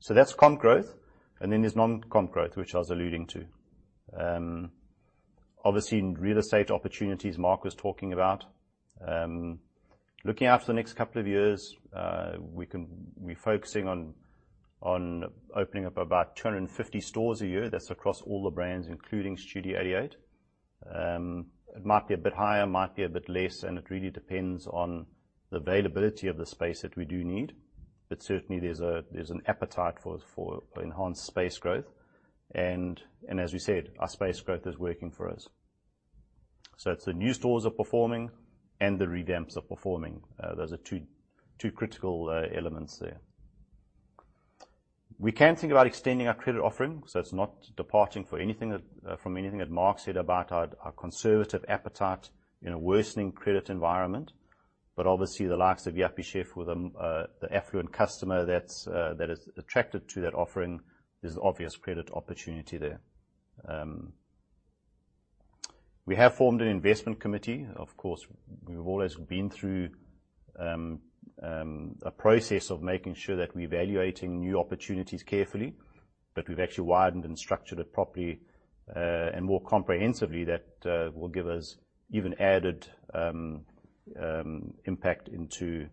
That's comp growth, then there's non-comp growth, which I was alluding to. Obviously, in real estate opportunities Mark was talking about. Looking out for the next couple of years, we'll be focusing on opening up about 250 stores a year. That's across all the brands, including Studio 88. It might be a bit higher, might be a bit less, it really depends on the availability of the space that we do need. Certainly there's an appetite for enhanced space growth. As we said, our space growth is working for us. It's the new stores are performing and the revamps are performing. Those are two critical elements there. We can think about extending our credit offering, it's not departing from anything that Mark said about our conservative appetite in a worsening credit environment. Obviously the likes of Yuppiechef with the affluent customer that is attracted to that offering, there's obvious credit opportunity there. We have formed an investment committee. We've always been through a process of making sure that we're evaluating new opportunities carefully, we've actually widened and structured it properly, more comprehensively that will give us even added impact into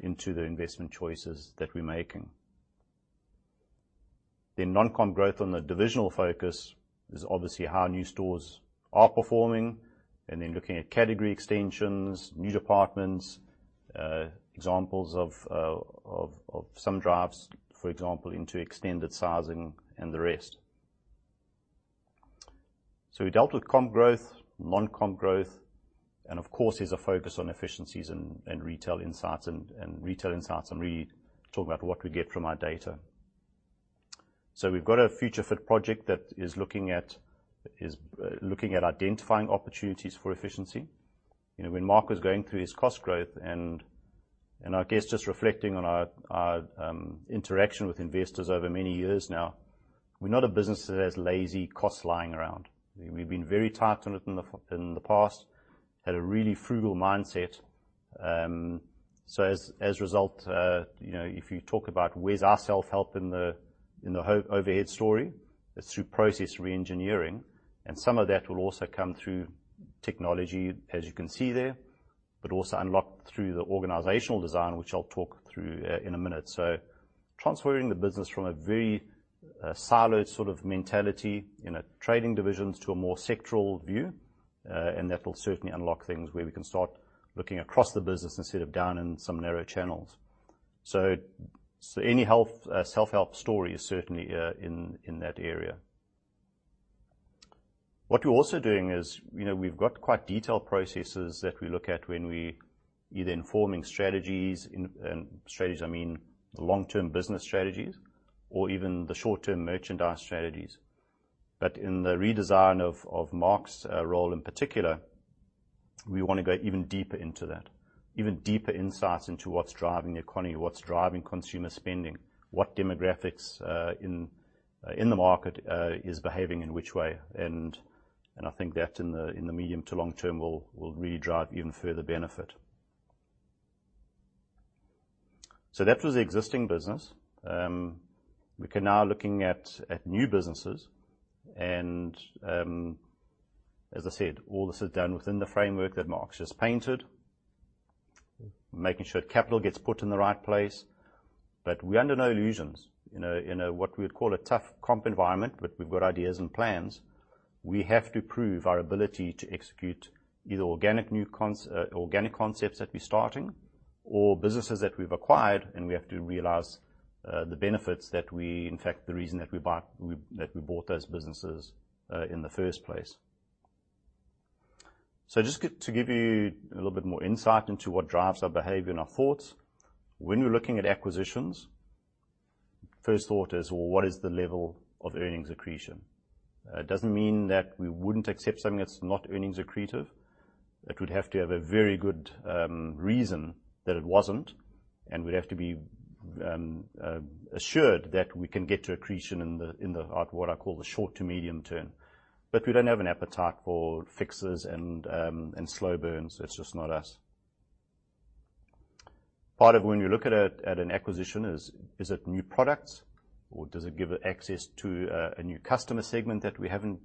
the investment choices that we're making. Non-comp growth on the divisional focus is obviously how new stores are performing looking at category extensions, new departments, examples of some drives, for example, into extended sizing. We dealt with comp growth, non-comp growth, there's a focus on efficiencies and retail insights, really talk about what we get from our data. We've got a future fit project that is looking at identifying opportunities for efficiency. When Mark was going through his cost growth, just reflecting on our interaction with investors over many years now, we're not a business that has lazy costs lying around. We've been very tight on it in the past, had a really frugal mindset. As result, if you talk about where's our self-help in the overhead story, it's through process re-engineering, some of that will also come through technology, as you can see there, unlocked through the organizational design, which I'll talk through in a minute. Transferring the business from a very siloed sort of mentality, trading divisions to a more sectoral view. That will certainly unlock things where we can start looking across the business instead of down in some narrow channels. Any self-help story is certainly in that area. What we're also doing is we've got quite detailed processes that we look at when we either informing strategies, the long-term business strategies or even the short-term merchandise strategies. In the redesign of Mark's role in particular, we want to go even deeper into that. Even deeper insights into what's driving the economy, what's driving consumer spending, what demographics in the market is behaving in which way. I think that in the medium to long term will really drive even further benefit. That was the existing business. We can now looking at new businesses and, as I said, all this is done within the framework that Mark's just painted, making sure capital gets put in the right place. We're under no illusions. In what we would call a tough comp environment, we've got ideas and plans. We have to prove our ability to execute either organic concepts that we're starting or businesses that we've acquired, and we have to realize the benefits that we, in fact, the reason that we bought those businesses in the first place. Just to give you a little bit more insight into what drives our behavior and our thoughts. When we're looking at acquisitions, first thought is, well, what is the level of earnings accretion? It doesn't mean that we wouldn't accept something that's not earnings accretive. It would have to have a very good reason that it wasn't, and we'd have to be assured that we can get to accretion in the what I call the short to medium term. We don't have an appetite for fixes and slow burns. It's just not us. Part of when you look at an acquisition is it new products or does it give access to a new customer segment that we haven't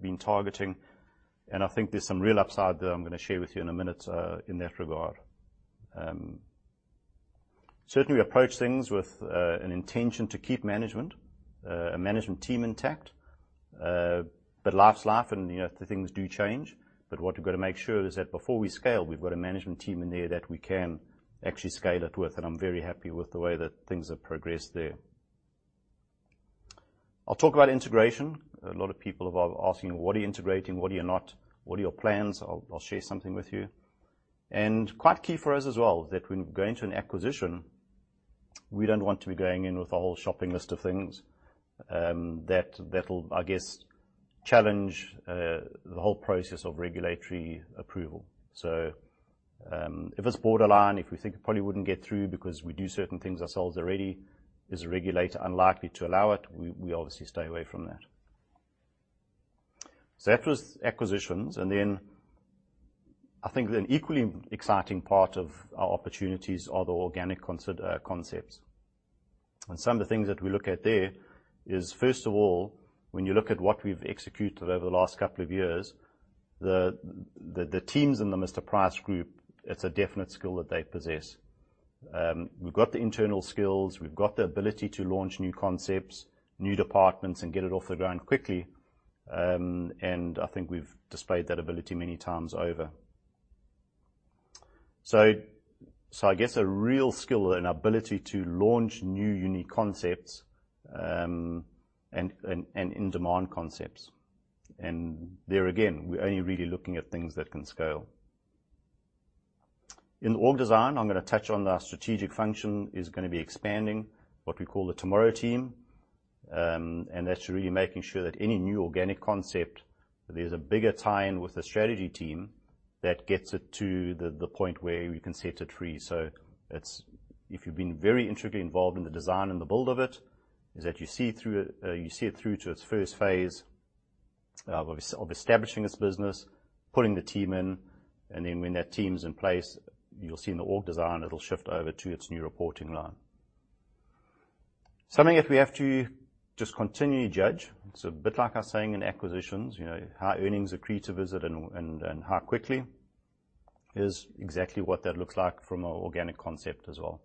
been targeting? I think there's some real upside there I'm going to share with you in a minute, in that regard. Certainly, we approach things with an intention to keep management, a management team intact. Life's life and things do change. What we've got to make sure is that before we scale, we've got a management team in there that we can actually scale it with. I'm very happy with the way that things have progressed there. I'll talk about integration. A lot of people have asking, "What are you integrating? What are you not? What are your plans?" I'll share something with you. Quite key for us as well, that when we go into an acquisition, we don't want to be going in with a whole shopping list of things. That'll, I guess, challenge the whole process of regulatory approval. If it's borderline, if we think it probably wouldn't get through because we do certain things ourselves already, is a regulator unlikely to allow it? We obviously stay away from that. That was acquisitions, and then I think an equally exciting part of our opportunities are the organic concepts. Some of the things that we look at there is, first of all, when you look at what we've executed over the last couple of years, the teams in the Mr Price Group, it's a definite skill that they possess. We've got the internal skills, we've got the ability to launch new concepts, new departments, and get it off the ground quickly. I think we've displayed that ability many times over. I guess, a real skill and ability to launch new unique concepts, and in-demand concepts. There again, we're only really looking at things that can scale. In org design, I'm going to touch on our strategic function is going to be expanding what we call the Tomorrow Team. That's really making sure that any new organic concept, there's a bigger tie-in with the strategy team that gets it to the point where we can set it free. If you've been very intricately involved in the design and the build of it, is that you see it through to its first phase of establishing its business, putting the team in, and then when that team's in place, you'll see in the org design, it'll shift over to its new reporting line. Something that we have to just continually judge, it's a bit like I was saying in acquisitions, how earnings accrete a visit and how quickly, is exactly what that looks like from an organic concept as well.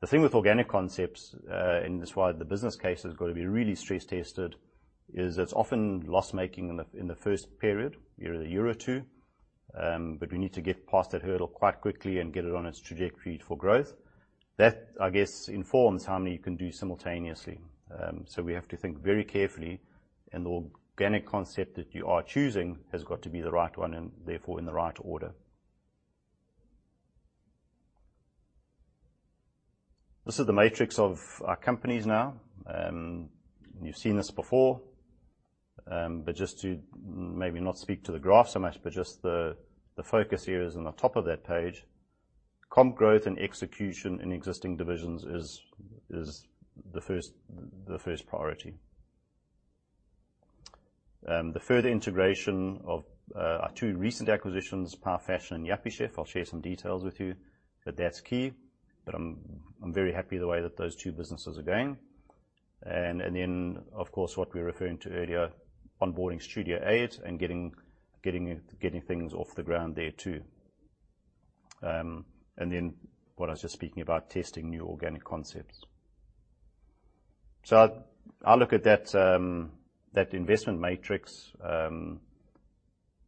The thing with organic concepts, this is why the business case has got to be really stress tested, is it's often loss-making in the first period, year or two. We need to get past that hurdle quite quickly and get it on its trajectory for growth. That, I guess, informs how many you can do simultaneously. We have to think very carefully, and the organic concept that you are choosing has got to be the right one and therefore in the right order. This is the matrix of our companies now. You've seen this before, but just to maybe not speak to the graph so much, but just the focus here is on the top of that page. Comp growth and execution in existing divisions is the first priority. The further integration of our two recent acquisitions, Power Fashion and Yuppiechef, I'll share some details with you, but that's key. I'm very happy the way that those two businesses are going. Then, of course, what we were referring to earlier, onboarding Studio 88 and getting things off the ground there too. Then what I was just speaking about, testing new organic concepts. I look at that investment matrix, and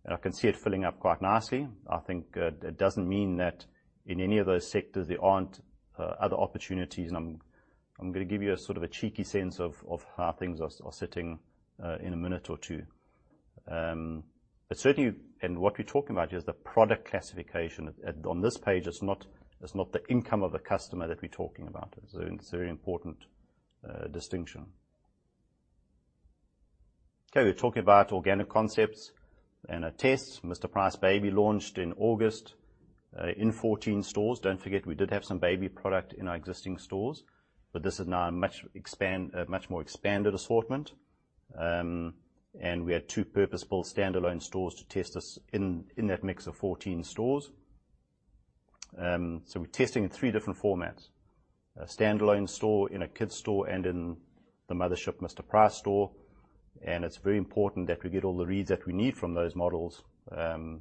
I can see it filling up quite nicely. I think it doesn't mean that in any of those sectors there aren't other opportunities, and I'm going to give you a sort of a cheeky sense of how things are sitting in a minute or two. Certainly, what we're talking about here is the product classification. On this page, it's not the income of a customer that we're talking about. It's a very important distinction. Okay, we're talking about organic concepts and our tests. Mr Price Baby launched in August in 14 stores. Don't forget, we did have some baby product in our existing stores, but this is now a much more expanded assortment. We had two purposeful standalone stores to test this in that mix of 14 stores. We're testing in three different formats, a standalone store, in a kids' store, and in the mothership Mr Price store. It's very important that we get all the reads that we need from those models,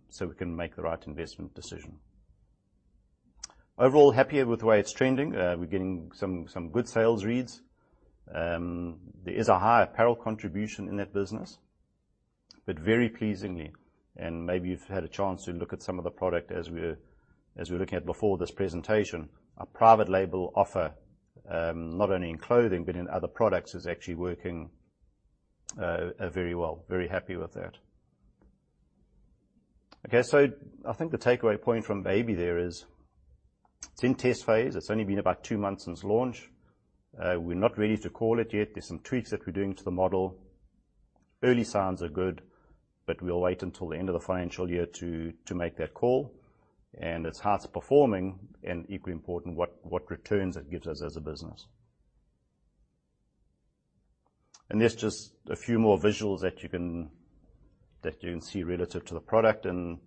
so we can make the right investment decision. Overall, happier with the way it's trending. We're getting some good sales reads. There is a higher apparel contribution in that business, but very pleasingly, and maybe you've had a chance to look at some of the product as we're looking at before this presentation. Our private label offer, not only in clothing but in other products, is actually working very well. Very happy with that. I think the takeaway point from Mr Price Baby there is it's in test phase. It's only been about two months since launch. We're not ready to call it yet. There's some tweaks that we're doing to the model. Early signs are good, but we'll wait until the end of the financial year to make that call. It's how it's performing and equally important, what returns it gives us as a business. There's just a few more visuals that you can see relative to the product. In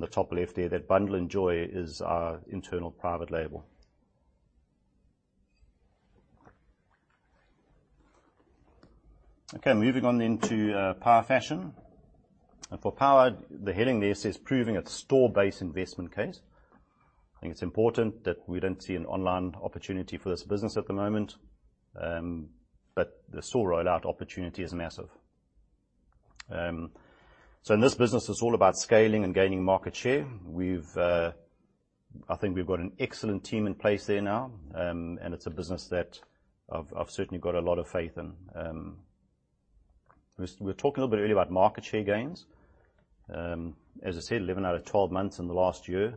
the top left there, that bundle + joy is our internal private label. Moving on to Power Fashion. For Power, the heading there says, "Proving its store base investment case." I think it's important that we don't see an online opportunity for this business at the moment. The store rollout opportunity is massive. In this business, it's all about scaling and gaining market share. I think we've got an excellent team in place there now, and it's a business that I've certainly got a lot of faith in. We were talking a little bit earlier about market share gains. As I said, 11 out of 12 months in the last year,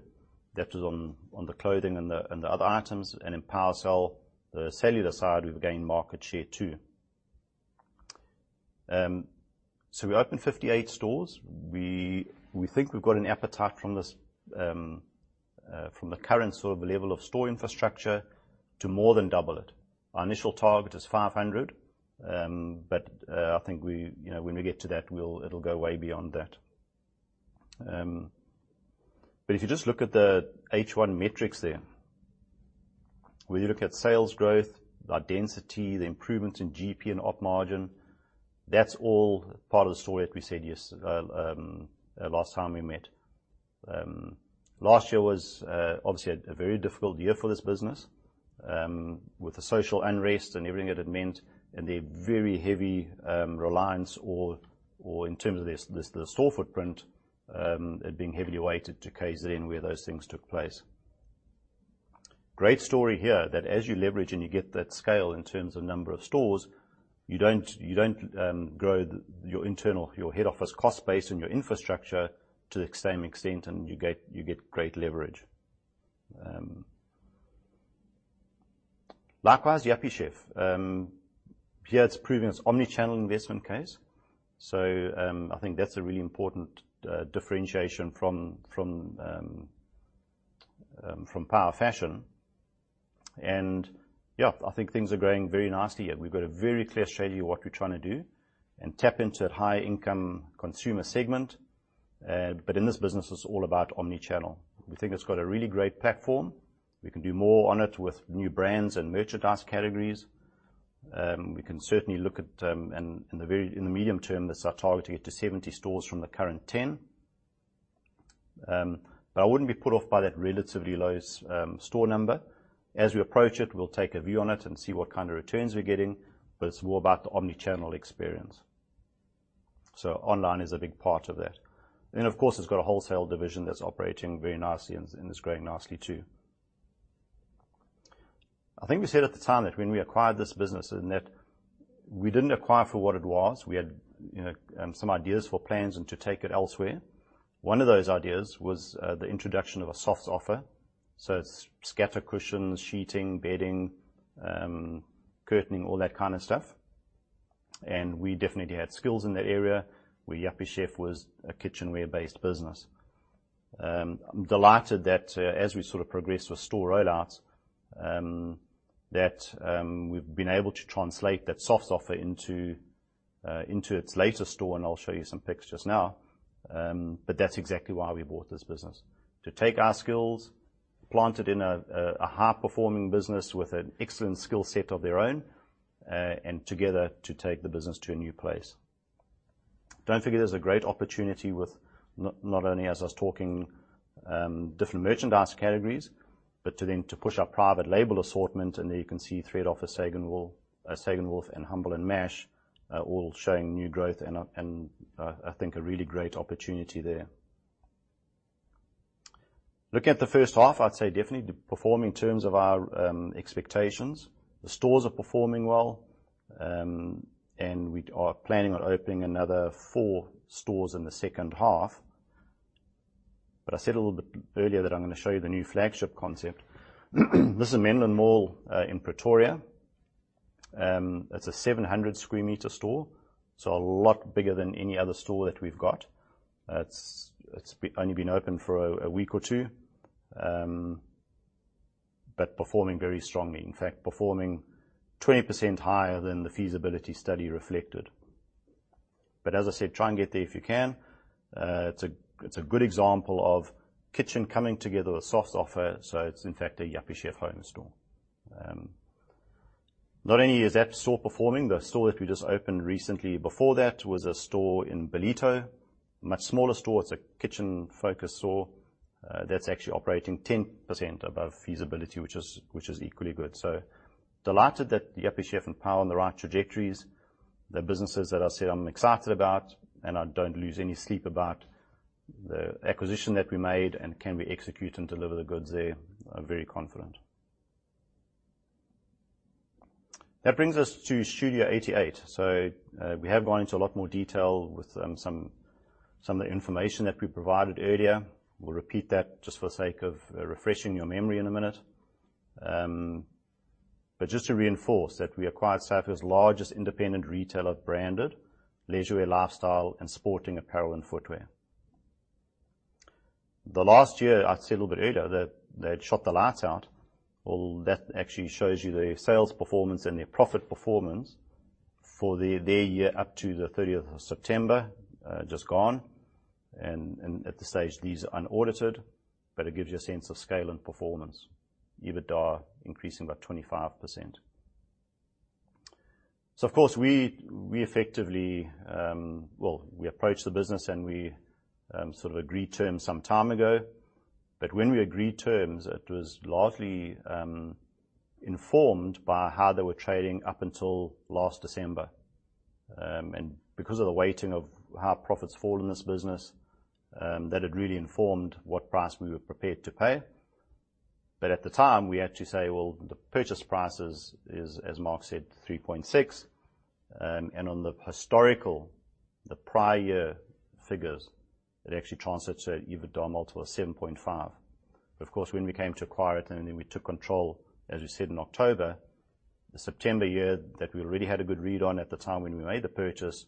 that was on the clothing and the other items, and in Powercell, the cellular side, we've gained market share too. We opened 58 stores. We think we've got an appetite from the current sort of level of store infrastructure to more than double it. Our initial target is 500. I think when we get to that, it'll go way beyond that. If you just look at the H1 metrics there, whether you look at sales growth, our density, the improvements in GP and op margin, that's all part of the story that we said last time we met. Last year was obviously a very difficult year for this business, with the social unrest and everything that it meant and their very heavy reliance or in terms of the store footprint, it being heavily weighted to KZN where those things took place. Great story here that as you leverage and you get that scale in terms of number of stores, you don't grow your internal, your head office cost base and your infrastructure to the same extent, and you get great leverage. Likewise, Yuppiechef. Here it's proving its omnichannel investment case. I think that's a really important differentiation from Power Fashion. I think things are going very nicely here. We've got a very clear strategy of what we're trying to do and tap into that high-income consumer segment. In this business, it's all about omnichannel. We think it's got a really great platform. We can do more on it with new brands and merchandise categories. We can certainly look at, in the medium term, as I target to get to 70 stores from the current 10. I wouldn't be put off by that relatively low store number. As we approach it, we'll take a view on it and see what kind of returns we're getting, but it's more about the omnichannel experience. Online is a big part of that. Of course, it's got a wholesale division that's operating very nicely, and it's growing nicely, too. I think we said at the time that when we acquired this business, that we didn't acquire for what it was. We had some ideas for plans and to take it elsewhere. One of those ideas was the introduction of a softs offer. It's scatter cushions, sheeting, bedding, curtaining, all that kind of stuff, and we definitely had skills in that area, where Yuppiechef was a kitchenware-based business. I'm delighted that as we sort of progress with store roll-outs, that we've been able to translate that softs offer into its latest store, and I'll show you some pictures now. That's exactly why we bought this business. To take our skills, plant it in a high-performing business with an excellent skill set of their own, and together, to take the business to a new place. I do think there's a great opportunity with not only, as I was talking, different merchandise categories, but to then to push our private label assortment, and there you can see Thread Office, Sagenwolf, and Humble & Mash, all showing new growth and, I think, a really great opportunity there. Looking at the first half, I'd say definitely performing in terms of our expectations. The stores are performing well, and we are planning on opening another four stores in the second half. I said a little bit earlier that I'm going to show you the new flagship concept. This is Menlyn Mall in Pretoria. It's a 700 sq m store, a lot bigger than any other store that we've got. It's only been open for a week or two, but performing very strongly. In fact, performing 20% higher than the feasibility study reflected. As I said, try and get there if you can. It's a good example of kitchen coming together with softs offer, so it's in fact a Yuppiechef home store. Not only is that store performing, the store that we just opened recently before that was a store in Ballito. Much smaller store. It's a kitchen-focused store that's actually operating 10% above feasibility, which is equally good. Delighted that Yuppiechef and Power are on the right trajectories. They're businesses that I said I'm excited about and I don't lose any sleep about the acquisition that we made and can we execute and deliver the goods there. I'm very confident. That brings us to Studio 88. We have gone into a lot more detail with some of the information that we provided earlier. We'll repeat that just for sake of refreshing your memory in a minute. Just to reinforce that we acquired South Africa's largest independent retailer of branded, leisure lifestyle, and sporting apparel and footwear. The last year, I said a little bit earlier, that they had shut the lights out. Well, that actually shows you their sales performance and their profit performance for their year up to the 30th of September just gone. At this stage, these are unaudited, but it gives you a sense of scale and performance. EBITDA increasing by 25%. Of course, we effectively approached the business, and we sort of agreed terms some time ago. When we agreed terms, it was largely informed by how they were trading up until last December. Because of the weighting of how profits fall in this business, that had really informed what price we were prepared to pay. At the time, we actually say, well, the purchase price is, as Mark said, 3.6. On the historical, the prior year figures, it actually translates to an EBITDA multiple of 7.5. Of course, when we came to acquire it, and then we took control, as we said, in October, the September year that we already had a good read on at the time when we made the purchase,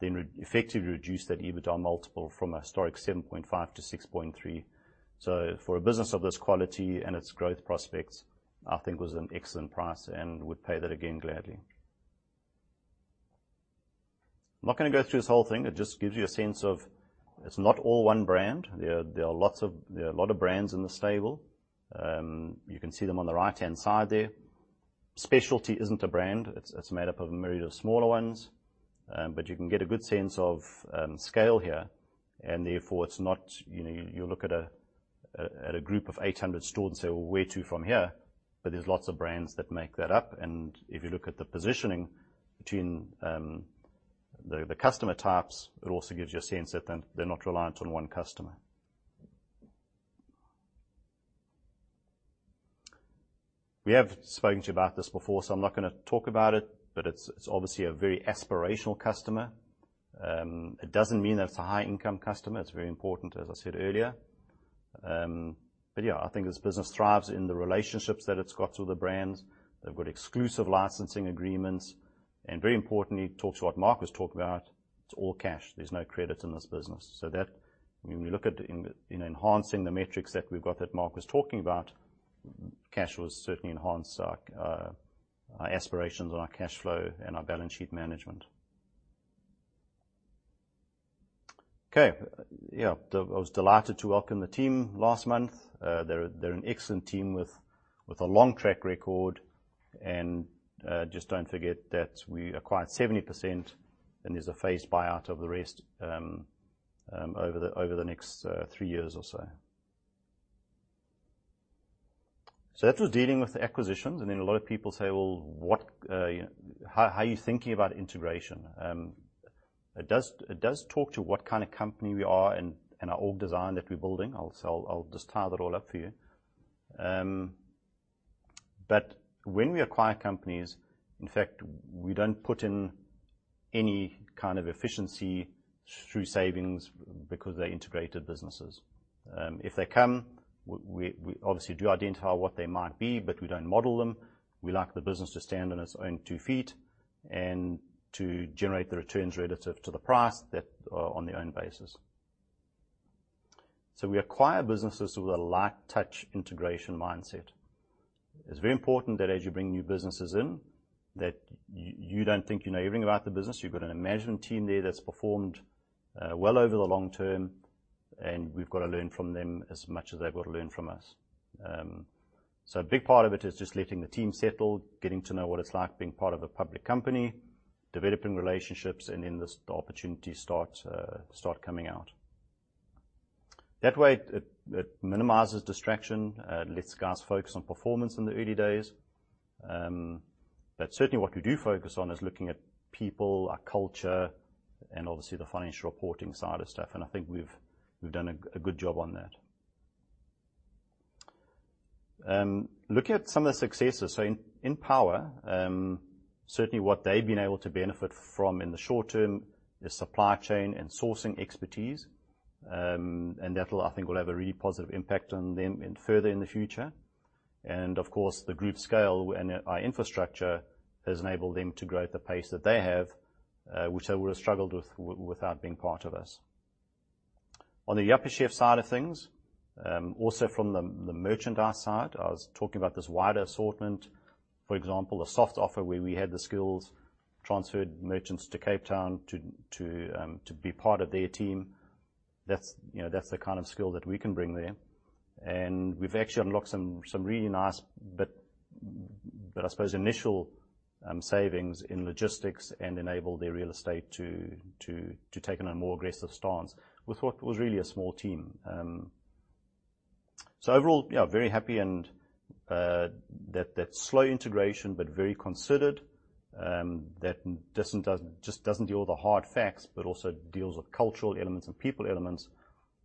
then effectively reduced that EBITDA multiple from a historic 7.5 to 6.3. For a business of this quality and its growth prospects, I think was an excellent price and would pay that again gladly. I'm not going to go through this whole thing. It just gives you a sense of it's not all one brand. There are a lot of brands in the stable. You can see them on the right-hand side there. Specialty isn't a brand. It's made up of a myriad of smaller ones. You can get a good sense of scale here, and therefore it's not. You look at a group of 800 stores and say, "Well, where to from here?" There's lots of brands that make that up. If you look at the positioning between the customer types, it also gives you a sense that then they're not reliant on one customer. We have spoken to you about this before, I'm not going to talk about it, but it's obviously a very aspirational customer. It doesn't mean that it's a high income customer. It's very important, as I said earlier. Yeah, I think this business thrives in the relationships that it's got with the brands. They've got exclusive licensing agreements, and very importantly, talks to what Mark was talking about. It's all cash. There's no credit in this business. When we look at enhancing the metrics that we've got that Mark was talking about, cash will certainly enhance our aspirations on our cash flow and our balance sheet management. Okay. Yeah, I was delighted to welcome the team last month. They're an excellent team with a long track record. Just don't forget that we acquired 70%, and there's a phased buyout of the rest over the next three years or so. That was dealing with the acquisitions, and then a lot of people say, "Well, how are you thinking about integration?" It does talk to what kind of company we are and our org design that we're building. I'll just tie that all up for you. When we acquire companies, in fact, we don't put in any kind of efficiency through savings because they're integrated businesses. If they come, we obviously do identify what they might be, but we don't model them. We like the business to stand on its own two feet and to generate the returns relative to the price on their own basis. We acquire businesses with a light touch integration mindset. It's very important that as you bring new businesses in, that you don't think you know everything about the business. You've got a management team there that's performed well over the long term, and we've got to learn from them as much as they've got to learn from us. A big part of it is just letting the team settle, getting to know what it's like being part of a public company, developing relationships, and then the opportunities start coming out. That way, it minimizes distraction, lets guys focus on performance in the early days. Certainly what we do focus on is looking at people, our culture, and obviously the financial reporting side of stuff, and I think we've done a good job on that. Looking at some of the successes. In Power, certainly what they've been able to benefit from in the short term is supply chain and sourcing expertise. That I think will have a really positive impact on them further in the future. Of course, the group scale and our infrastructure has enabled them to grow at the pace that they have, which they would have struggled with without being part of us. On the Yuppiechef side of things, also from the merchandise side, I was talking about this wider assortment, for example, the soft offer where we had the skills transferred merchants to Cape Town to be part of their team. That's the kind of skill that we can bring there. We've actually unlocked some really nice, but I suppose initial savings in logistics and enabled their real estate to take on a more aggressive stance with what was really a small team. Overall, very happy and that slow integration, but very considered, that just doesn't deal with the hard facts, but also deals with cultural elements and people elements,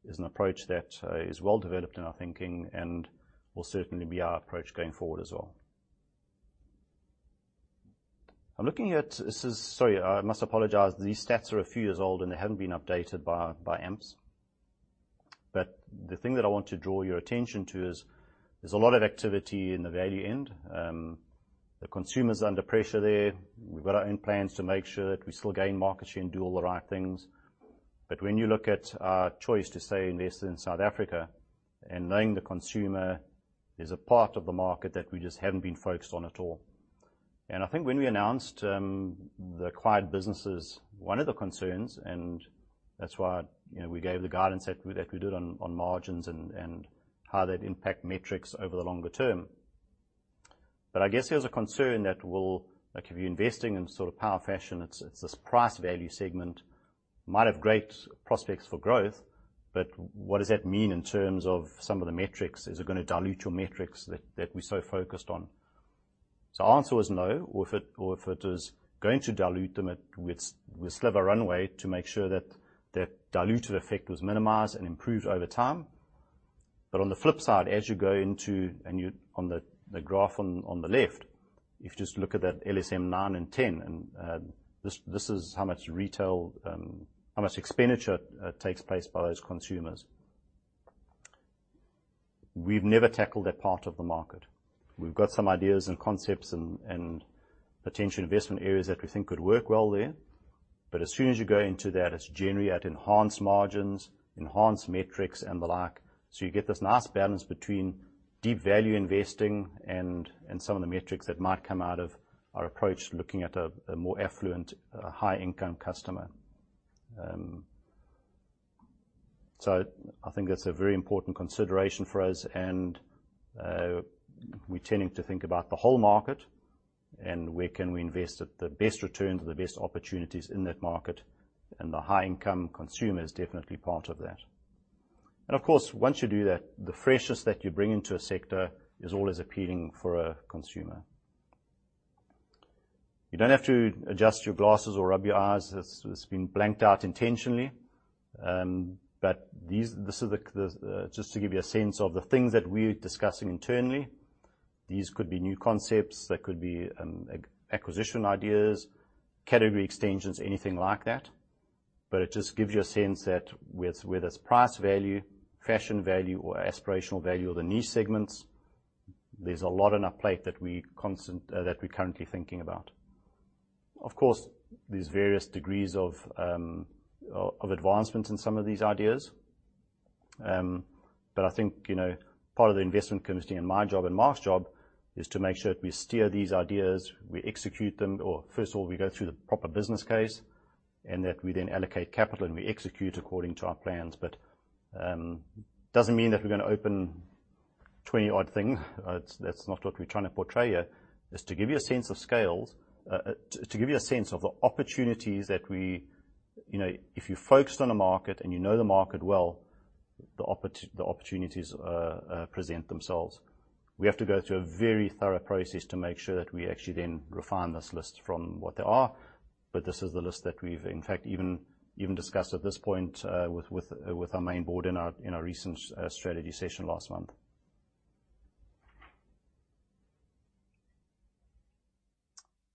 is an approach that is well developed in our thinking and will certainly be our approach going forward as well. I'm looking at Sorry, I must apologize. These stats are a few years old, and they haven't been updated by AMPS. The thing that I want to draw your attention to is there's a lot of activity in the value end. The consumer's under pressure there. We've got our own plans to make sure that we still gain market share and do all the right things. When you look at our choice to, say, invest in South Africa and knowing the consumer is a part of the market that we just haven't been focused on at all. I think when we announced the acquired businesses, one of the concerns, and that's why we gave the guidance that we did on margins and how they'd impact metrics over the longer term. I guess there's a concern that if you're investing in sort of Power Fashion, it's this price value segment, might have great prospects for growth, but what does that mean in terms of some of the metrics? Is it going to dilute your metrics that we're so focused on? Our answer was no, or if it is going to dilute them, we still have a runway to make sure that that dilutive effect was minimized and improved over time. On the flip side, as you go into On the graph on the left, if you just look at that LSM 9 and 10, and this is how much expenditure takes place by those consumers. We've never tackled that part of the market. We've got some ideas and concepts and potential investment areas that we think could work well there. As soon as you go into that, it's generally at enhanced margins, enhanced metrics, and the like. You get this nice balance between deep value investing and some of the metrics that might come out of our approach looking at a more affluent, high income customer. I think that's a very important consideration for us, and we're tending to think about the whole market and where can we invest at the best returns and the best opportunities in that market. The high income consumer is definitely part of that. Of course, once you do that, the freshness that you bring into a sector is always appealing for a consumer. You don't have to adjust your glasses or rub your eyes. It's been blanked out intentionally. This is just to give you a sense of the things that we're discussing internally. These could be new concepts, they could be acquisition ideas, category extensions, anything like that. It just gives you a sense that whether it's price value, fashion value, or aspirational value or the niche segments, there's a lot on our plate that we're currently thinking about. Of course, there's various degrees of advancement in some of these ideas. I think, part of the investment committee and my job and Mark's job is to make sure that we steer these ideas, we execute them, or first of all, we go through the proper business case, and that we then allocate capital, and we execute according to our plans. It doesn't mean that we're going to open 20 odd things. That's not what we're trying to portray here. It's to give you a sense of scales, to give you a sense of the opportunities that. If you focused on a market and you know the market well, the opportunities present themselves. We have to go through a very thorough process to make sure that we actually then refine this list from what they are. This is the list that we've, in fact, even discussed at this point, with our main board in our recent strategy session last month.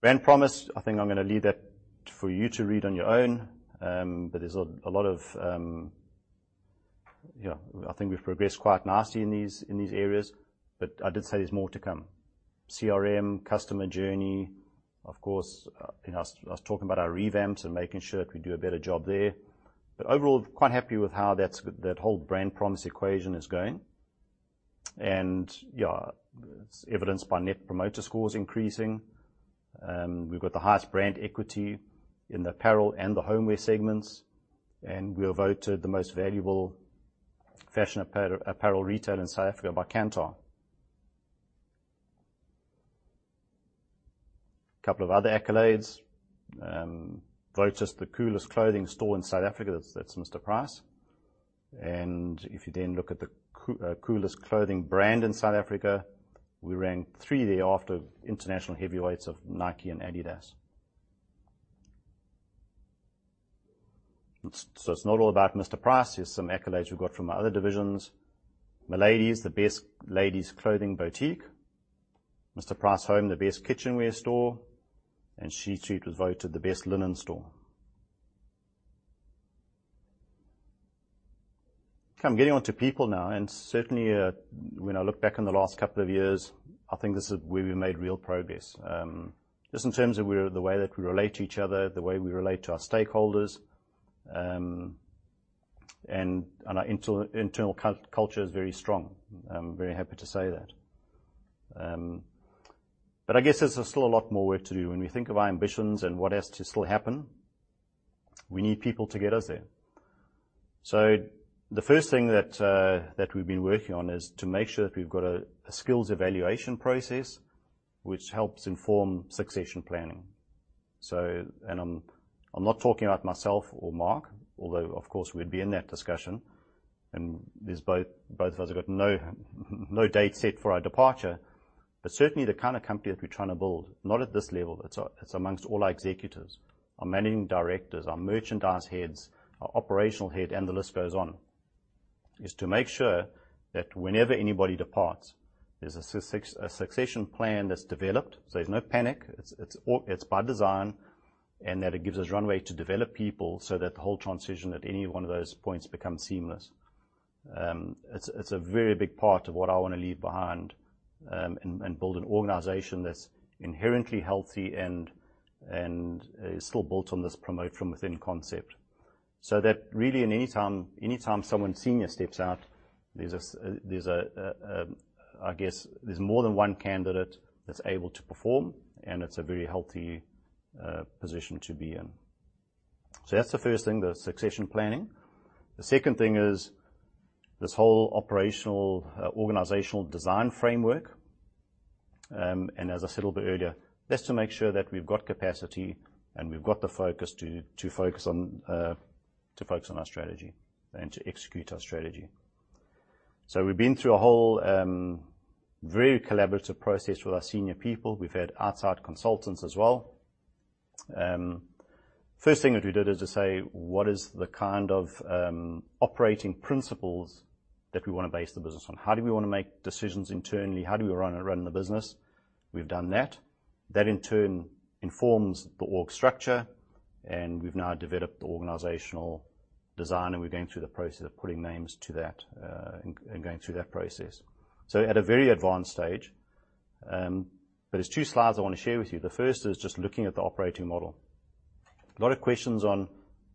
Brand promise, I think I'm going to leave that for you to read on your own. There's a lot of I think we've progressed quite nicely in these areas. I did say there's more to come. CRM, customer journey, of course, I was talking about our revamps and making sure that we do a better job there. Overall, quite happy with how that whole brand promise equation is going. Yeah, evidenced by net promoter scores increasing. We've got the highest brand equity in the apparel and the homeware segments, and we are voted the most valuable fashion apparel retail in South Africa by Kantar. A couple of other accolades. Voted the coolest clothing store in South Africa. That's Mr Price. If you look at the coolest clothing brand in South Africa, we rank third there after international heavyweights of Nike and Adidas. It's not all about Mr Price. Here's some accolades we've got from our other divisions. Miladys, the best ladies' clothing boutique. Mr Price Home, the best kitchenware store, and Sheet Street was voted the best linen store. I'm getting on to people now. Certainly, when I look back in the last couple of years, I think this is where we made real progress. Just in terms of the way that we relate to each other, the way we relate to our stakeholders. Our internal culture is very strong. I'm very happy to say that. I guess there's still a lot more work to do. When we think of our ambitions and what has to still happen, we need people to get us there. The first thing that we've been working on is to make sure that we've got a skills evaluation process which helps inform succession planning. I'm not talking about myself or Mark, although, of course, we'd be in that discussion. Both of us have got no date set for our departure. Certainly, the kind of company that we're trying to build, not at this level. It's amongst all our executives, our managing directors, our merchandise heads, our operational head, and the list goes on. Is to make sure that whenever anybody departs, there's a succession plan that's developed. There's no panic. It's by design, and that it gives us runway to develop people so that the whole transition at any one of those points becomes seamless. It's a very big part of what I want to leave behind and build an organization that's inherently healthy and is still built on this promote from within concept. That really anytime someone senior steps out, there's more than one candidate that's able to perform, and it's a very healthy position to be in. That's the first thing, the succession planning. The second thing is this whole operational organizational design framework. As I said a little bit earlier, that's to make sure that we've got capacity and we've got the focus to focus on our strategy and to execute our strategy. We've been through a whole very collaborative process with our senior people. We've had outside consultants as well. First thing that we did is to say, "What is the kind of operating principles that we want to base the business on? How do we want to make decisions internally? How do we want to run the business?" We've done that. That in turn informs the org structure, and we've now developed the organizational design, and we're going through the process of putting names to that, and going through that process. At a very advanced stage, but there's two slides I want to share with you. The first is just looking at the operating model. A lot of questions on,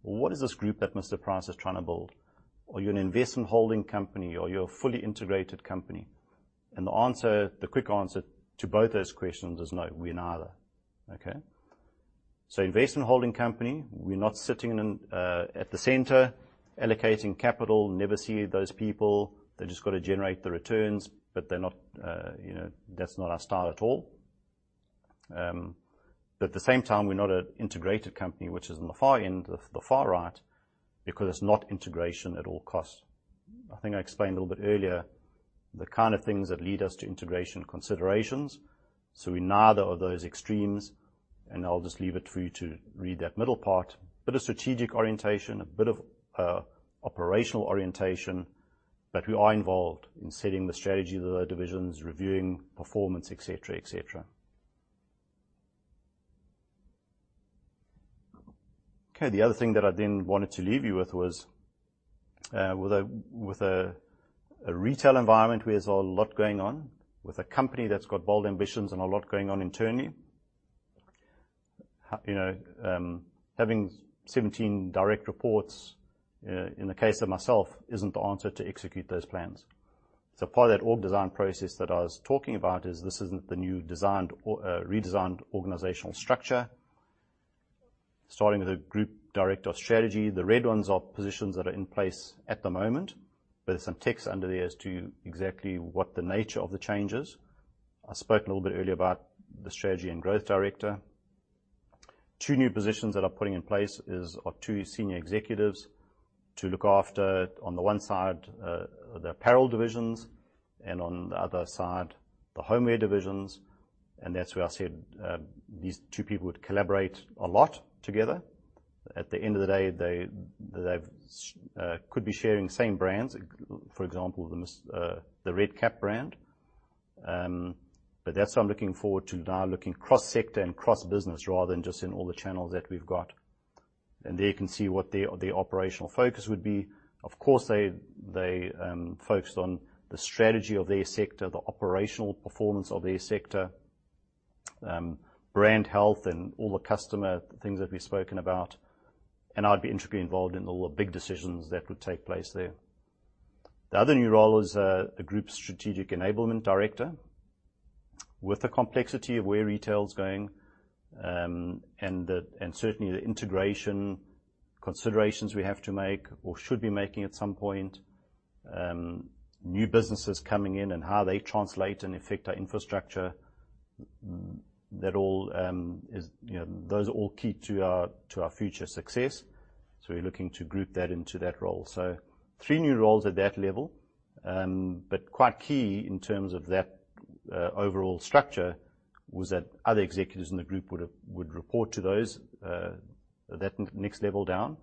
well, what is this group that Mr Price is trying to build? Are you an investment holding company or are you a fully integrated company? The quick answer to both those questions is no, we're neither. Okay? Investment holding company, we're not sitting at the center allocating capital, never see those people. They've just got to generate the returns, that's not our style at all. At the same time, we're not an integrated company, which is on the far end, the far right, because it's not integration at all costs. I think I explained a little bit earlier the kind of things that lead us to integration considerations. We're neither of those extremes, and I'll just leave it for you to read that middle part. A bit of strategic orientation, a bit of operational orientation, but we are involved in setting the strategy of the divisions, reviewing performance, et cetera. The other thing that I wanted to leave you with was, with a retail environment where there's a lot going on, with a company that's got bold ambitions and a lot going on internally. Having 17 direct reports, in the case of myself, isn't the answer to execute those plans. Part of that org design process that I was talking about is this isn't the new redesigned organizational structure. Starting with the group director of strategy, the red ones are positions that are in place at the moment, but there's some text under there as to exactly what the nature of the change is. I spoke a little bit earlier about the strategy and growth director. Two new positions that I'm putting in place is of two senior executives to look after, on the one side, the apparel divisions, and on the other side, the homeware divisions. That's where I said these two people would collaborate a lot together. At the end of the day, they could be sharing the same brands. For example, the Red Cap brand. That's why I'm looking forward to now looking cross-sector and cross-business rather than just in all the channels that we've got. There you can see what their operational focus would be. Of course, they focused on the strategy of their sector, the operational performance of their sector, brand health and all the customer things that we've spoken about. I'd be intricately involved in all the big decisions that would take place there. The other new role is a group strategic enablement director. With the complexity of where retail is going, and certainly the integration considerations we have to make or should be making at some point, new businesses coming in and how they translate and affect our infrastructure, those are all key to our future success. We're looking to group that into that role. Three new roles at that level. Quite key in terms of that overall structure was that other executives in the group would report to those, that next level down,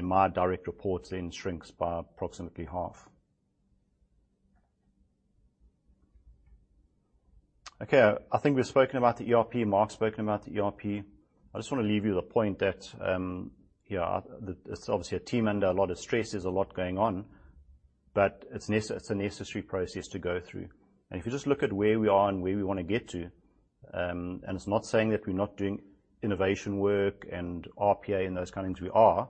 my direct reports shrinks by approximately half. I think we've spoken about the ERP, Mark's spoken about the ERP. I just want to leave you with the point that it's obviously a team under a lot of stress. There's a lot going on. It's a necessary process to go through. If you just look at where we are and where we want to get to, and it's not saying that we're not doing innovation work and RPA and those kind of things. We are.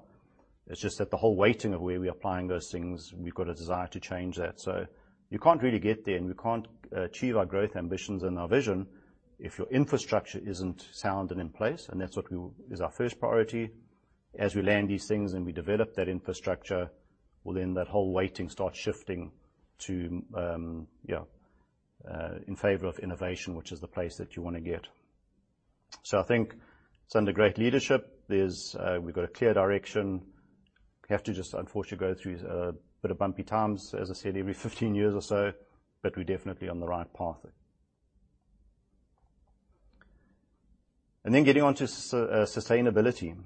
It's just that the whole weighting of where we're applying those things, we've got a desire to change that. You can't really get there, and we can't achieve our growth ambitions and our vision if your infrastructure isn't sound and in place. That's what is our first priority. As we land these things and we develop that infrastructure, that whole weighting starts shifting in favor of innovation, which is the place that you want to get. I think it's under great leadership. We've got a clear direction. We have to just unfortunately go through a bit of bumpy times, as I said, every 15 years or so, but we're definitely on the right path. Getting on to sustainability.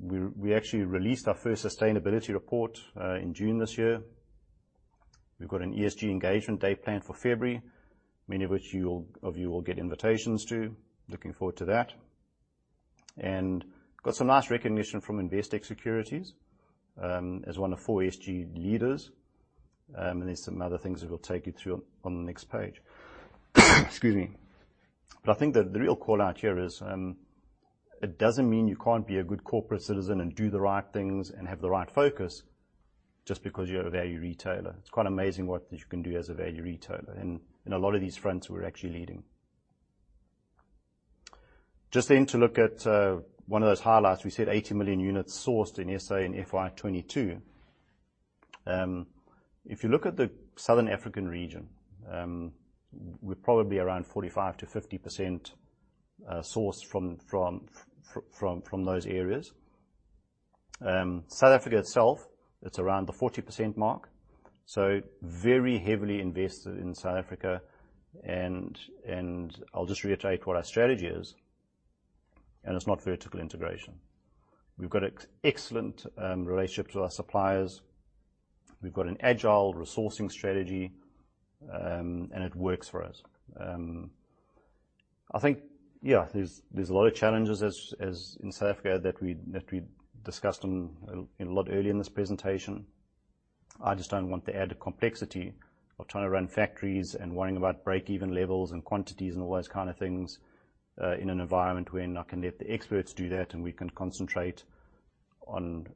We actually released our first sustainability report in June this year. We've got an ESG engagement day planned for February, many of which of you will get invitations to. Looking forward to that. Got some nice recognition from Investec Securities as one of four ESG leaders. There's some other things that we'll take you through on the next page. Excuse me. I think that the real call-out here is, it doesn't mean you can't be a good corporate citizen and do the right things and have the right focus just because you're a value retailer. It's quite amazing what you can do as a value retailer. In a lot of these fronts, we're actually leading. Just to look at one of those highlights. We said 80 million units sourced in SA in FY 2022. If you look at the Southern African region, we're probably around 45%-50% sourced from those areas. South Africa itself, it's around the 40% mark. Very heavily invested in South Africa, and I'll just reiterate what our strategy is. It's not vertical integration. We've got excellent relationships with our suppliers. We've got an agile resourcing strategy, and it works for us. I think, yeah, there's a lot of challenges in South Africa that we discussed a lot earlier in this presentation. I just don't want the added complexity of trying to run factories and worrying about break-even levels and quantities and all those kind of things, in an environment when I can let the experts do that, and we can concentrate on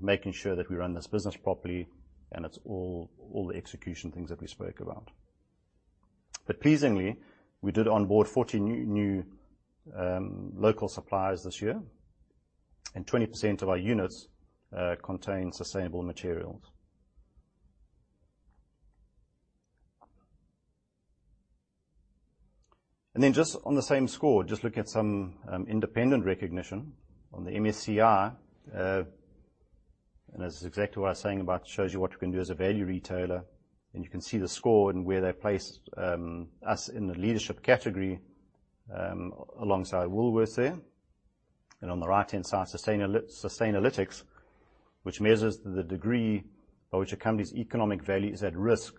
making sure that we run this business properly. It's all the execution things that we spoke about. Pleasingly, we did onboard 40 new local suppliers this year, and 20% of our units contain sustainable materials. Just on the same score, just looking at some independent recognition on the MSCI, this is exactly what I was saying about shows you what you can do as a value retailer, you can see the score and where they placed us in the leadership category alongside Woolworths there. On the right-hand side, Sustainalytics, which measures the degree by which a company's economic value is at risk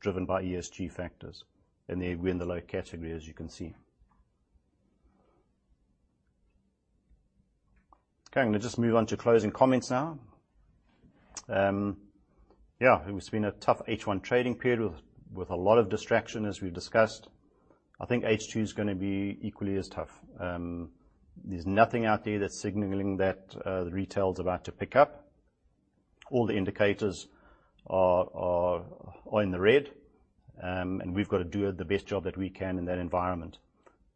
driven by ESG factors. There we're in the low category as you can see. I'm going to just move on to closing comments now. Yeah. It's been a tough H1 trading period with a lot of distraction as we've discussed. I think H2 is going to be equally as tough. There's nothing out there that's signaling that retail is about to pick up. All the indicators are in the red, we've got to do the best job that we can in that environment.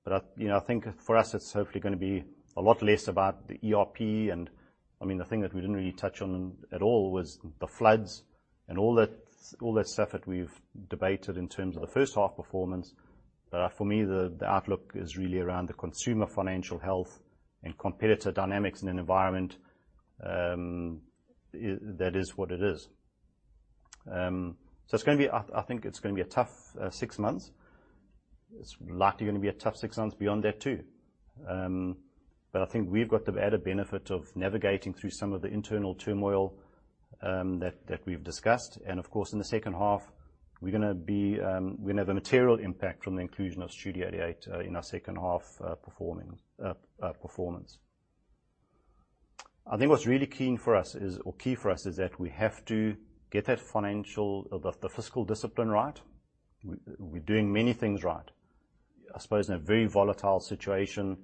I think for us, it's hopefully going to be a lot less about the ERP. The thing that we didn't really touch on at all was the floods and all that stuff that we've debated in terms of the first half performance. For me, the outlook is really around the consumer financial health and competitor dynamics in an environment that is what it is. I think it's going to be a tough six months. It's likely going to be a tough six months beyond that, too. I think we've got the added benefit of navigating through some of the internal turmoil that we've discussed. Of course, in the second half, we're going to have a material impact from the inclusion of Studio 88 in our second half performance. I think what's really key for us is that we have to get the fiscal discipline right. We're doing many things right. I suppose in a very volatile situation,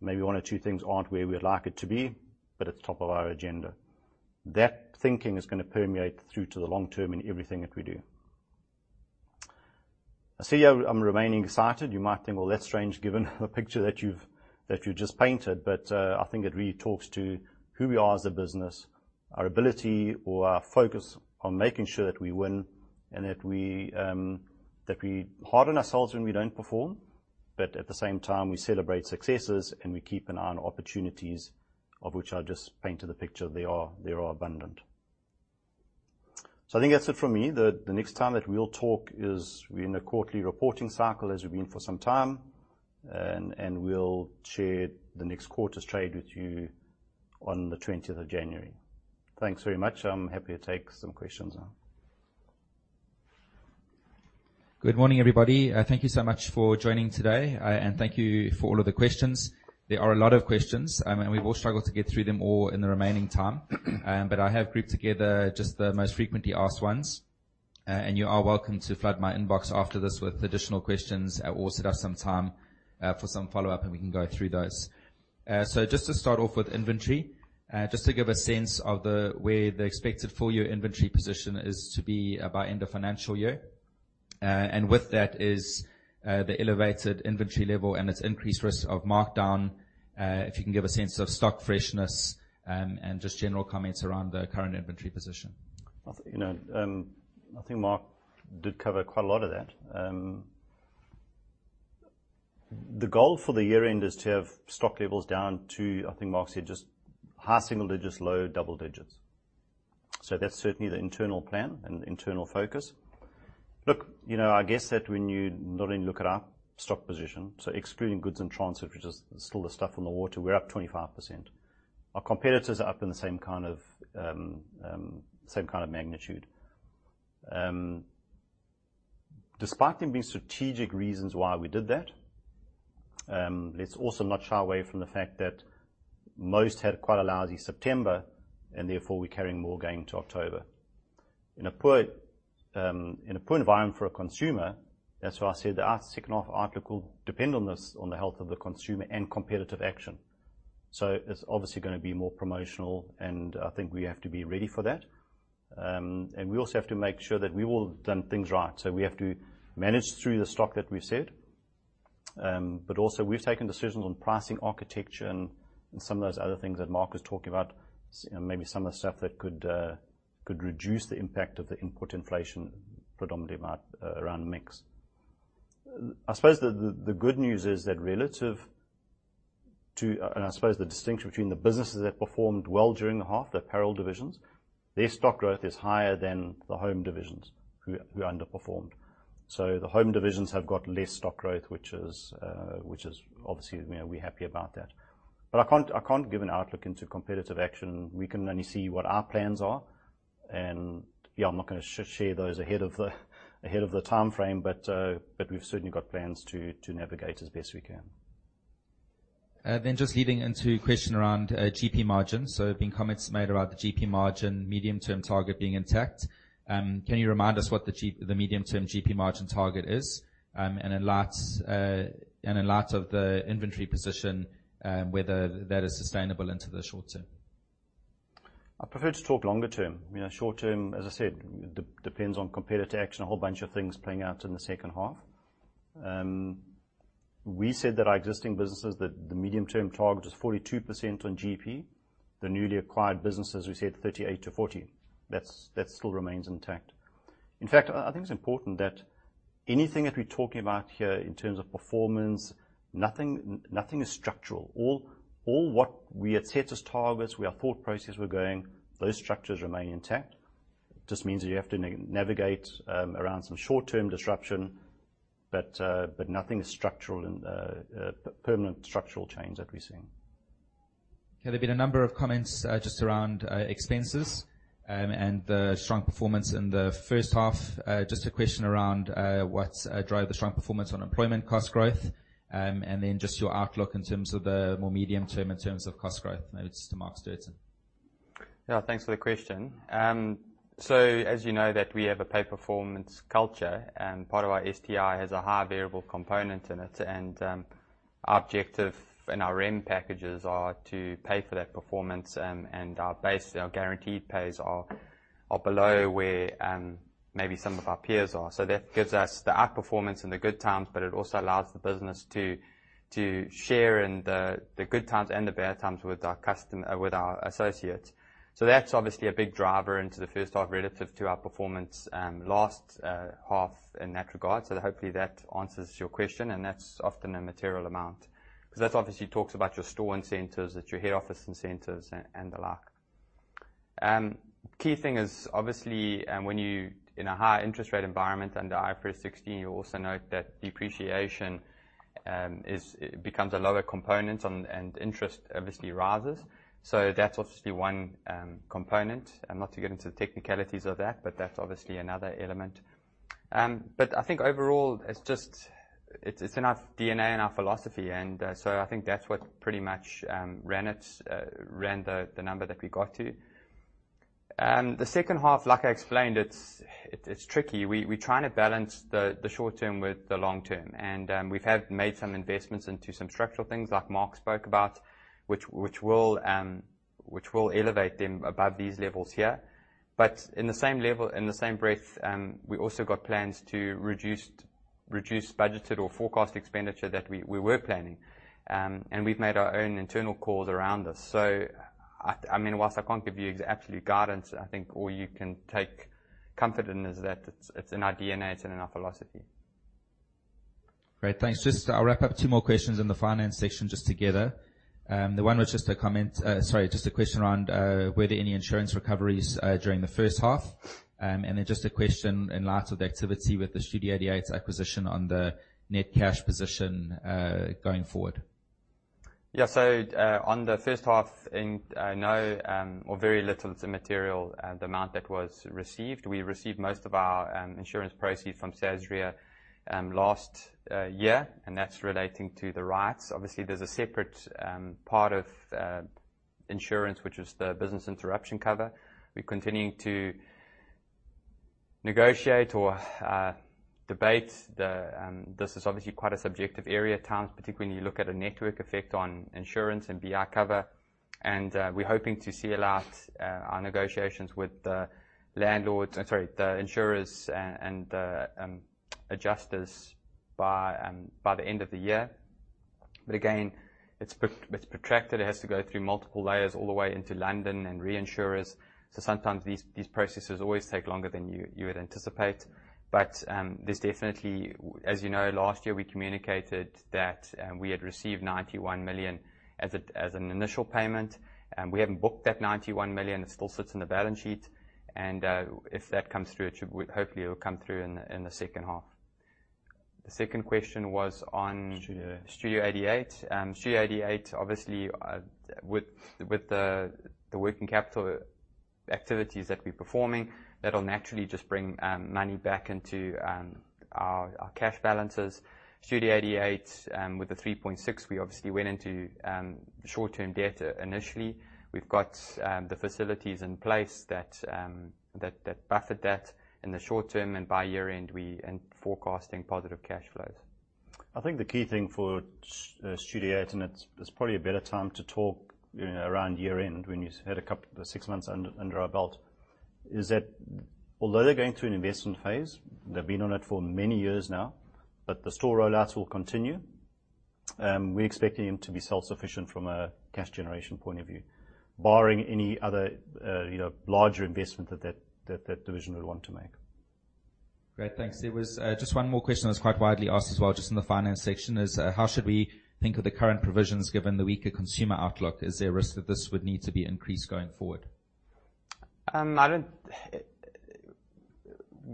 maybe one or two things aren't where we would like it to be, but at the top of our agenda. That thinking is going to permeate through to the long term in everything that we do. I see I'm remaining excited. You might think, "Well, that's strange given the picture that you've just painted." I think it really talks to who we are as a business, our ability or our focus on making sure that we win and that we harden ourselves when we don't perform. At the same time, we celebrate successes, and we keep an eye on opportunities of which I just painted the picture. They are abundant. I think that's it from me. The next time that we'll talk is we're in a quarterly reporting cycle as we've been for some time, and we'll share the next quarter's trade with you on the 20th of January. Thanks very much. I'm happy to take some questions now. Good morning, everybody. Thank you so much for joining today, and thank you for all of the questions. There are a lot of questions, and we will struggle to get through them all in the remaining time. I have grouped together just the most frequently asked ones. You are welcome to flood my inbox after this with additional questions or set up some time for some follow-up, and we can go through those. Just to start off with inventory, just to give a sense of where the expected full year inventory position is to be by end of financial year. With that is the elevated inventory level and its increased risk of markdown, if you can give a sense of stock freshness, and just general comments around the current inventory position. I think Mark did cover quite a lot of that. The goal for the year-end is to have stock levels down to, I think Mark said just high single digits, low double digits. That's certainly the internal plan and internal focus. I guess that when you not only look at our stock position, excluding goods in transit, which is still the stuff on the water, we're up 25%. Our competitors are up in the same kind of magnitude. Despite there being strategic reasons why we did that, let's also not shy away from the fact that most had quite a lousy September, and therefore, we're carrying more game to October. In a poor environment for a consumer, that's why I said the second half outlook will depend on the health of the consumer and competitive action. It's obviously going to be more promotional, and I think we have to be ready for that. We also have to make sure that we will have done things right. We have to manage through the stock that we've said, but also we've taken decisions on pricing architecture and some of those other things that Mark was talking about, maybe some of the stuff that could reduce the impact of the input inflation predominantly around mix. I suppose the good news is that relative to the distinction between the businesses that performed well during the half, the apparel divisions, their stock growth is higher than the home divisions who underperformed. The home divisions have got less stock growth, which obviously we're happy about that. I can't give an outlook into competitive action. We can only see what our plans are. Yeah, I'm not going to share those ahead of the timeframe, but we've certainly got plans to navigate as best we can. Just leading into question around GP margin. There have been comments made about the GP margin medium-term target being intact. Can you remind us what the medium-term GP margin target is? In light of the inventory position, whether that is sustainable into the short term. I prefer to talk longer term. Short term, as I said, depends on competitive action, a whole bunch of things playing out in the second half. We said that our existing businesses, that the medium-term target is 42% on GP. The newly acquired businesses, we said 38%-40%. That still remains intact. In fact, I think it's important that anything that we're talking about here in terms of performance, nothing is structural. All what we had set as targets, where our thought process were going, those structures remain intact. It just means that you have to navigate around some short-term disruption, but nothing is permanent structural change that we're seeing. Okay. There've been a number of comments just around expenses and the strong performance in the first half. Just a question around what drove the strong performance on employment cost growth, and then just your outlook in terms of the more medium term in terms of cost growth. Maybe just to Mark Stirton. Yeah, thanks for the question. As you know that we have a pay-for-performance culture, and part of our STI has a high variable component in it. Our objective in our REM packages are to pay for that performance, and our base, our guaranteed pays are below where maybe some of our peers are. That gives us the outperformance in the good times, but it also allows the business to share in the good times and the bad times with our associates. Hopefully, that answers your question, and that's often a material amount. That obviously talks about your store incentives, it's your head office incentives, and the like. Key thing is, obviously, when you're in a higher interest rate environment under IFRS 16, you also note that depreciation becomes a lower component and interest obviously rises. That's obviously one component. Not to get into the technicalities of that, but that's obviously another element. I think overall, it's in our DNA and our philosophy. I think that's what pretty much ran the number that we got to. The second half, like I explained, it's tricky. We're trying to balance the short term with the long term. We have made some investments into some structural things like Mark spoke about, which will elevate them above these levels here. In the same breath, we also got plans to reduce budgeted or forecast expenditure that we were planning. We've made our own internal calls around this. Whilst I can't give you absolute guidance, I think all you can take comfort in is that it's in our DNA, it's in our philosophy. Great, thanks. I'll wrap up two more questions in the finance section just together. The one was just a question around were there any insurance recoveries during the first half? Just a question in light of the activity with the Studio 88 acquisition on the net cash position going forward. Yeah. On the first half, no or very little to material the amount that was received. We received most of our insurance proceeds from Sasria last year, and that's relating to the riots. There's a separate part of insurance, which is the business interruption cover. We're continuing to negotiate or debate. This is obviously quite a subjective area at times, particularly when you look at a network effect on insurance and BI cover. We're hoping to seal out our negotiations with the insurers and the adjusters by the end of the year. Again, it's protracted. It has to go through multiple layers all the way into London and reinsurers. Sometimes these processes always take longer than you would anticipate. There's definitely, as you know, last year we communicated that we had received 91 million as an initial payment. We haven't booked that 91 million. It still sits on the balance sheet. If that comes through, hopefully, it'll come through in the second half. The second question was on- Studio Studio 88. Studio 88, obviously, with the working capital activities that we're performing, that'll naturally just bring money back into our cash balances. Studio 88, with the 3.6, we obviously went into short-term debt initially. We've got the facilities in place that buffered that in the short term, and by year-end, we end forecasting positive cash flows. I think the key thing for Studio 88, and it's probably a better time to talk around year-end when you had six months under our belt, is that although they're going through an investment phase, they've been on it for many years now. The store rollouts will continue. We're expecting them to be self-sufficient from a cash generation point of view, barring any other larger investment that that division would want to make. Great, thanks. There was just one more question that was quite widely asked as well, just in the finance section, is how should we think of the current provisions given the weaker consumer outlook? Is there a risk that this would need to be increased going forward?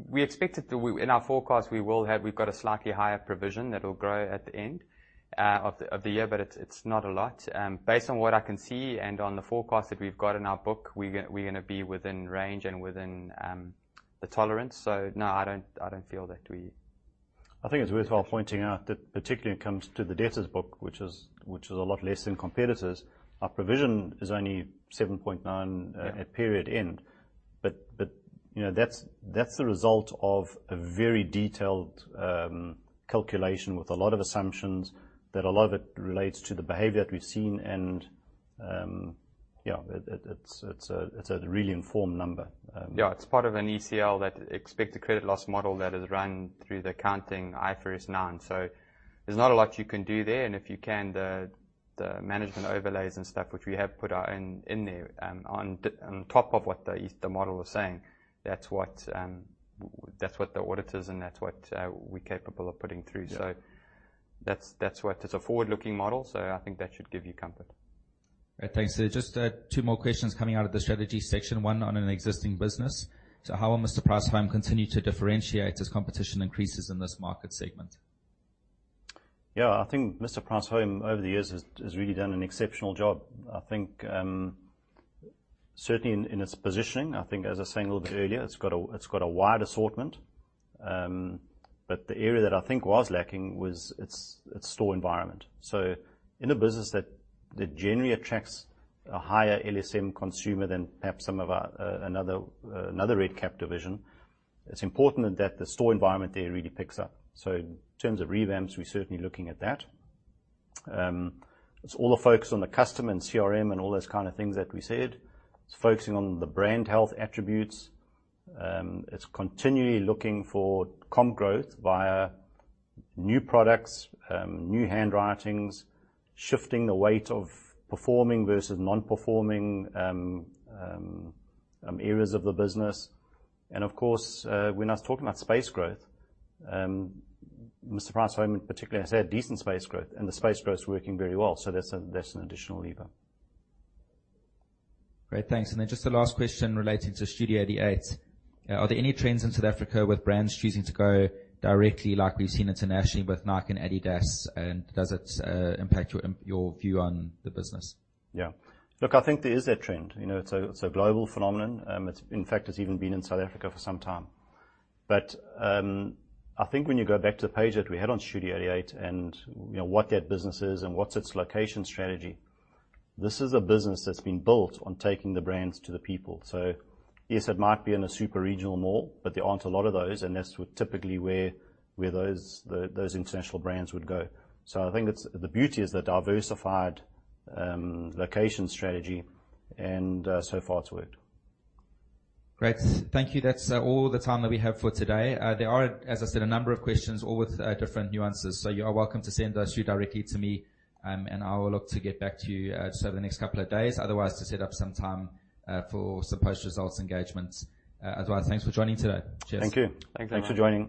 We expect it to. In our forecast, we've got a slightly higher provision that will grow at the end of the year, but it's not a lot. Based on what I can see and on the forecast that we've got in our book, we're going to be within range and within the tolerance. No, I don't feel that we. I think it's worthwhile pointing out that particularly when it comes to the debtors book, which was a lot less than competitors, our provision is only 7.9% at period end. That's the result of a very detailed calculation with a lot of assumptions, that a lot of it relates to the behavior that we've seen, and yeah, it's a really informed number. Yeah, it's part of an ECL, that expected credit loss model that is run through the accounting IFRS 9. There's not a lot you can do there. If you can, the management overlays and stuff, which we have put in there, on top of what the model is saying. That's what the audit is, and that's what we're capable of putting through. Yeah. That's what it's a forward-looking model, I think that should give you comfort. Right, thanks. Just two more questions coming out of the strategy section, one on an existing business. How will Mr Price Home continue to differentiate as competition increases in this market segment? Yeah. I think Mr Price Home, over the years, has really done an exceptional job. I think, certainly in its positioning. I think, as I was saying a little bit earlier, it's got a wide assortment. The area that I think was lacking was its store environment. In a business that generally attracts a higher LSM consumer than perhaps another Red Cap division, it's important that the store environment there really picks up. In terms of revamps, we're certainly looking at that. It's all the focus on the customer and CRM and all those kinds of things that we said. It's focusing on the brand health attributes. It's continually looking for comp growth via new products, new hand writings, shifting the weight of performing versus non-performing areas of the business. Of course, when I was talking about space growth, Mr Price Home particularly has had decent space growth, and the space growth is working very well. That's an additional lever. Great, thanks. Then just the last question relating to Studio 88. Are there any trends in South Africa with brands choosing to go directly, like we've seen internationally with Nike and Adidas? Does it impact your view on the business? Yeah. Look, I think there is that trend. It's a global phenomenon. In fact, it's even been in South Africa for some time. I think when you go back to the page that we had on Studio 88 and what that business is and what's its location strategy, this is a business that's been built on taking the brands to the people. Yes, it might be in a super-regional mall, but there aren't a lot of those, and that's typically where those international brands would go. I think the beauty is the diversified location strategy, and so far it's worked. Great. Thank you. That's all the time that we have for today. There are, as I said, a number of questions, all with different nuances. You are welcome to send those through directly to me, and I will look to get back to you just over the next couple of days. Otherwise, to set up some time for some post-results engagements as well. Thanks for joining today. Cheers. Thank you. Thanks for joining.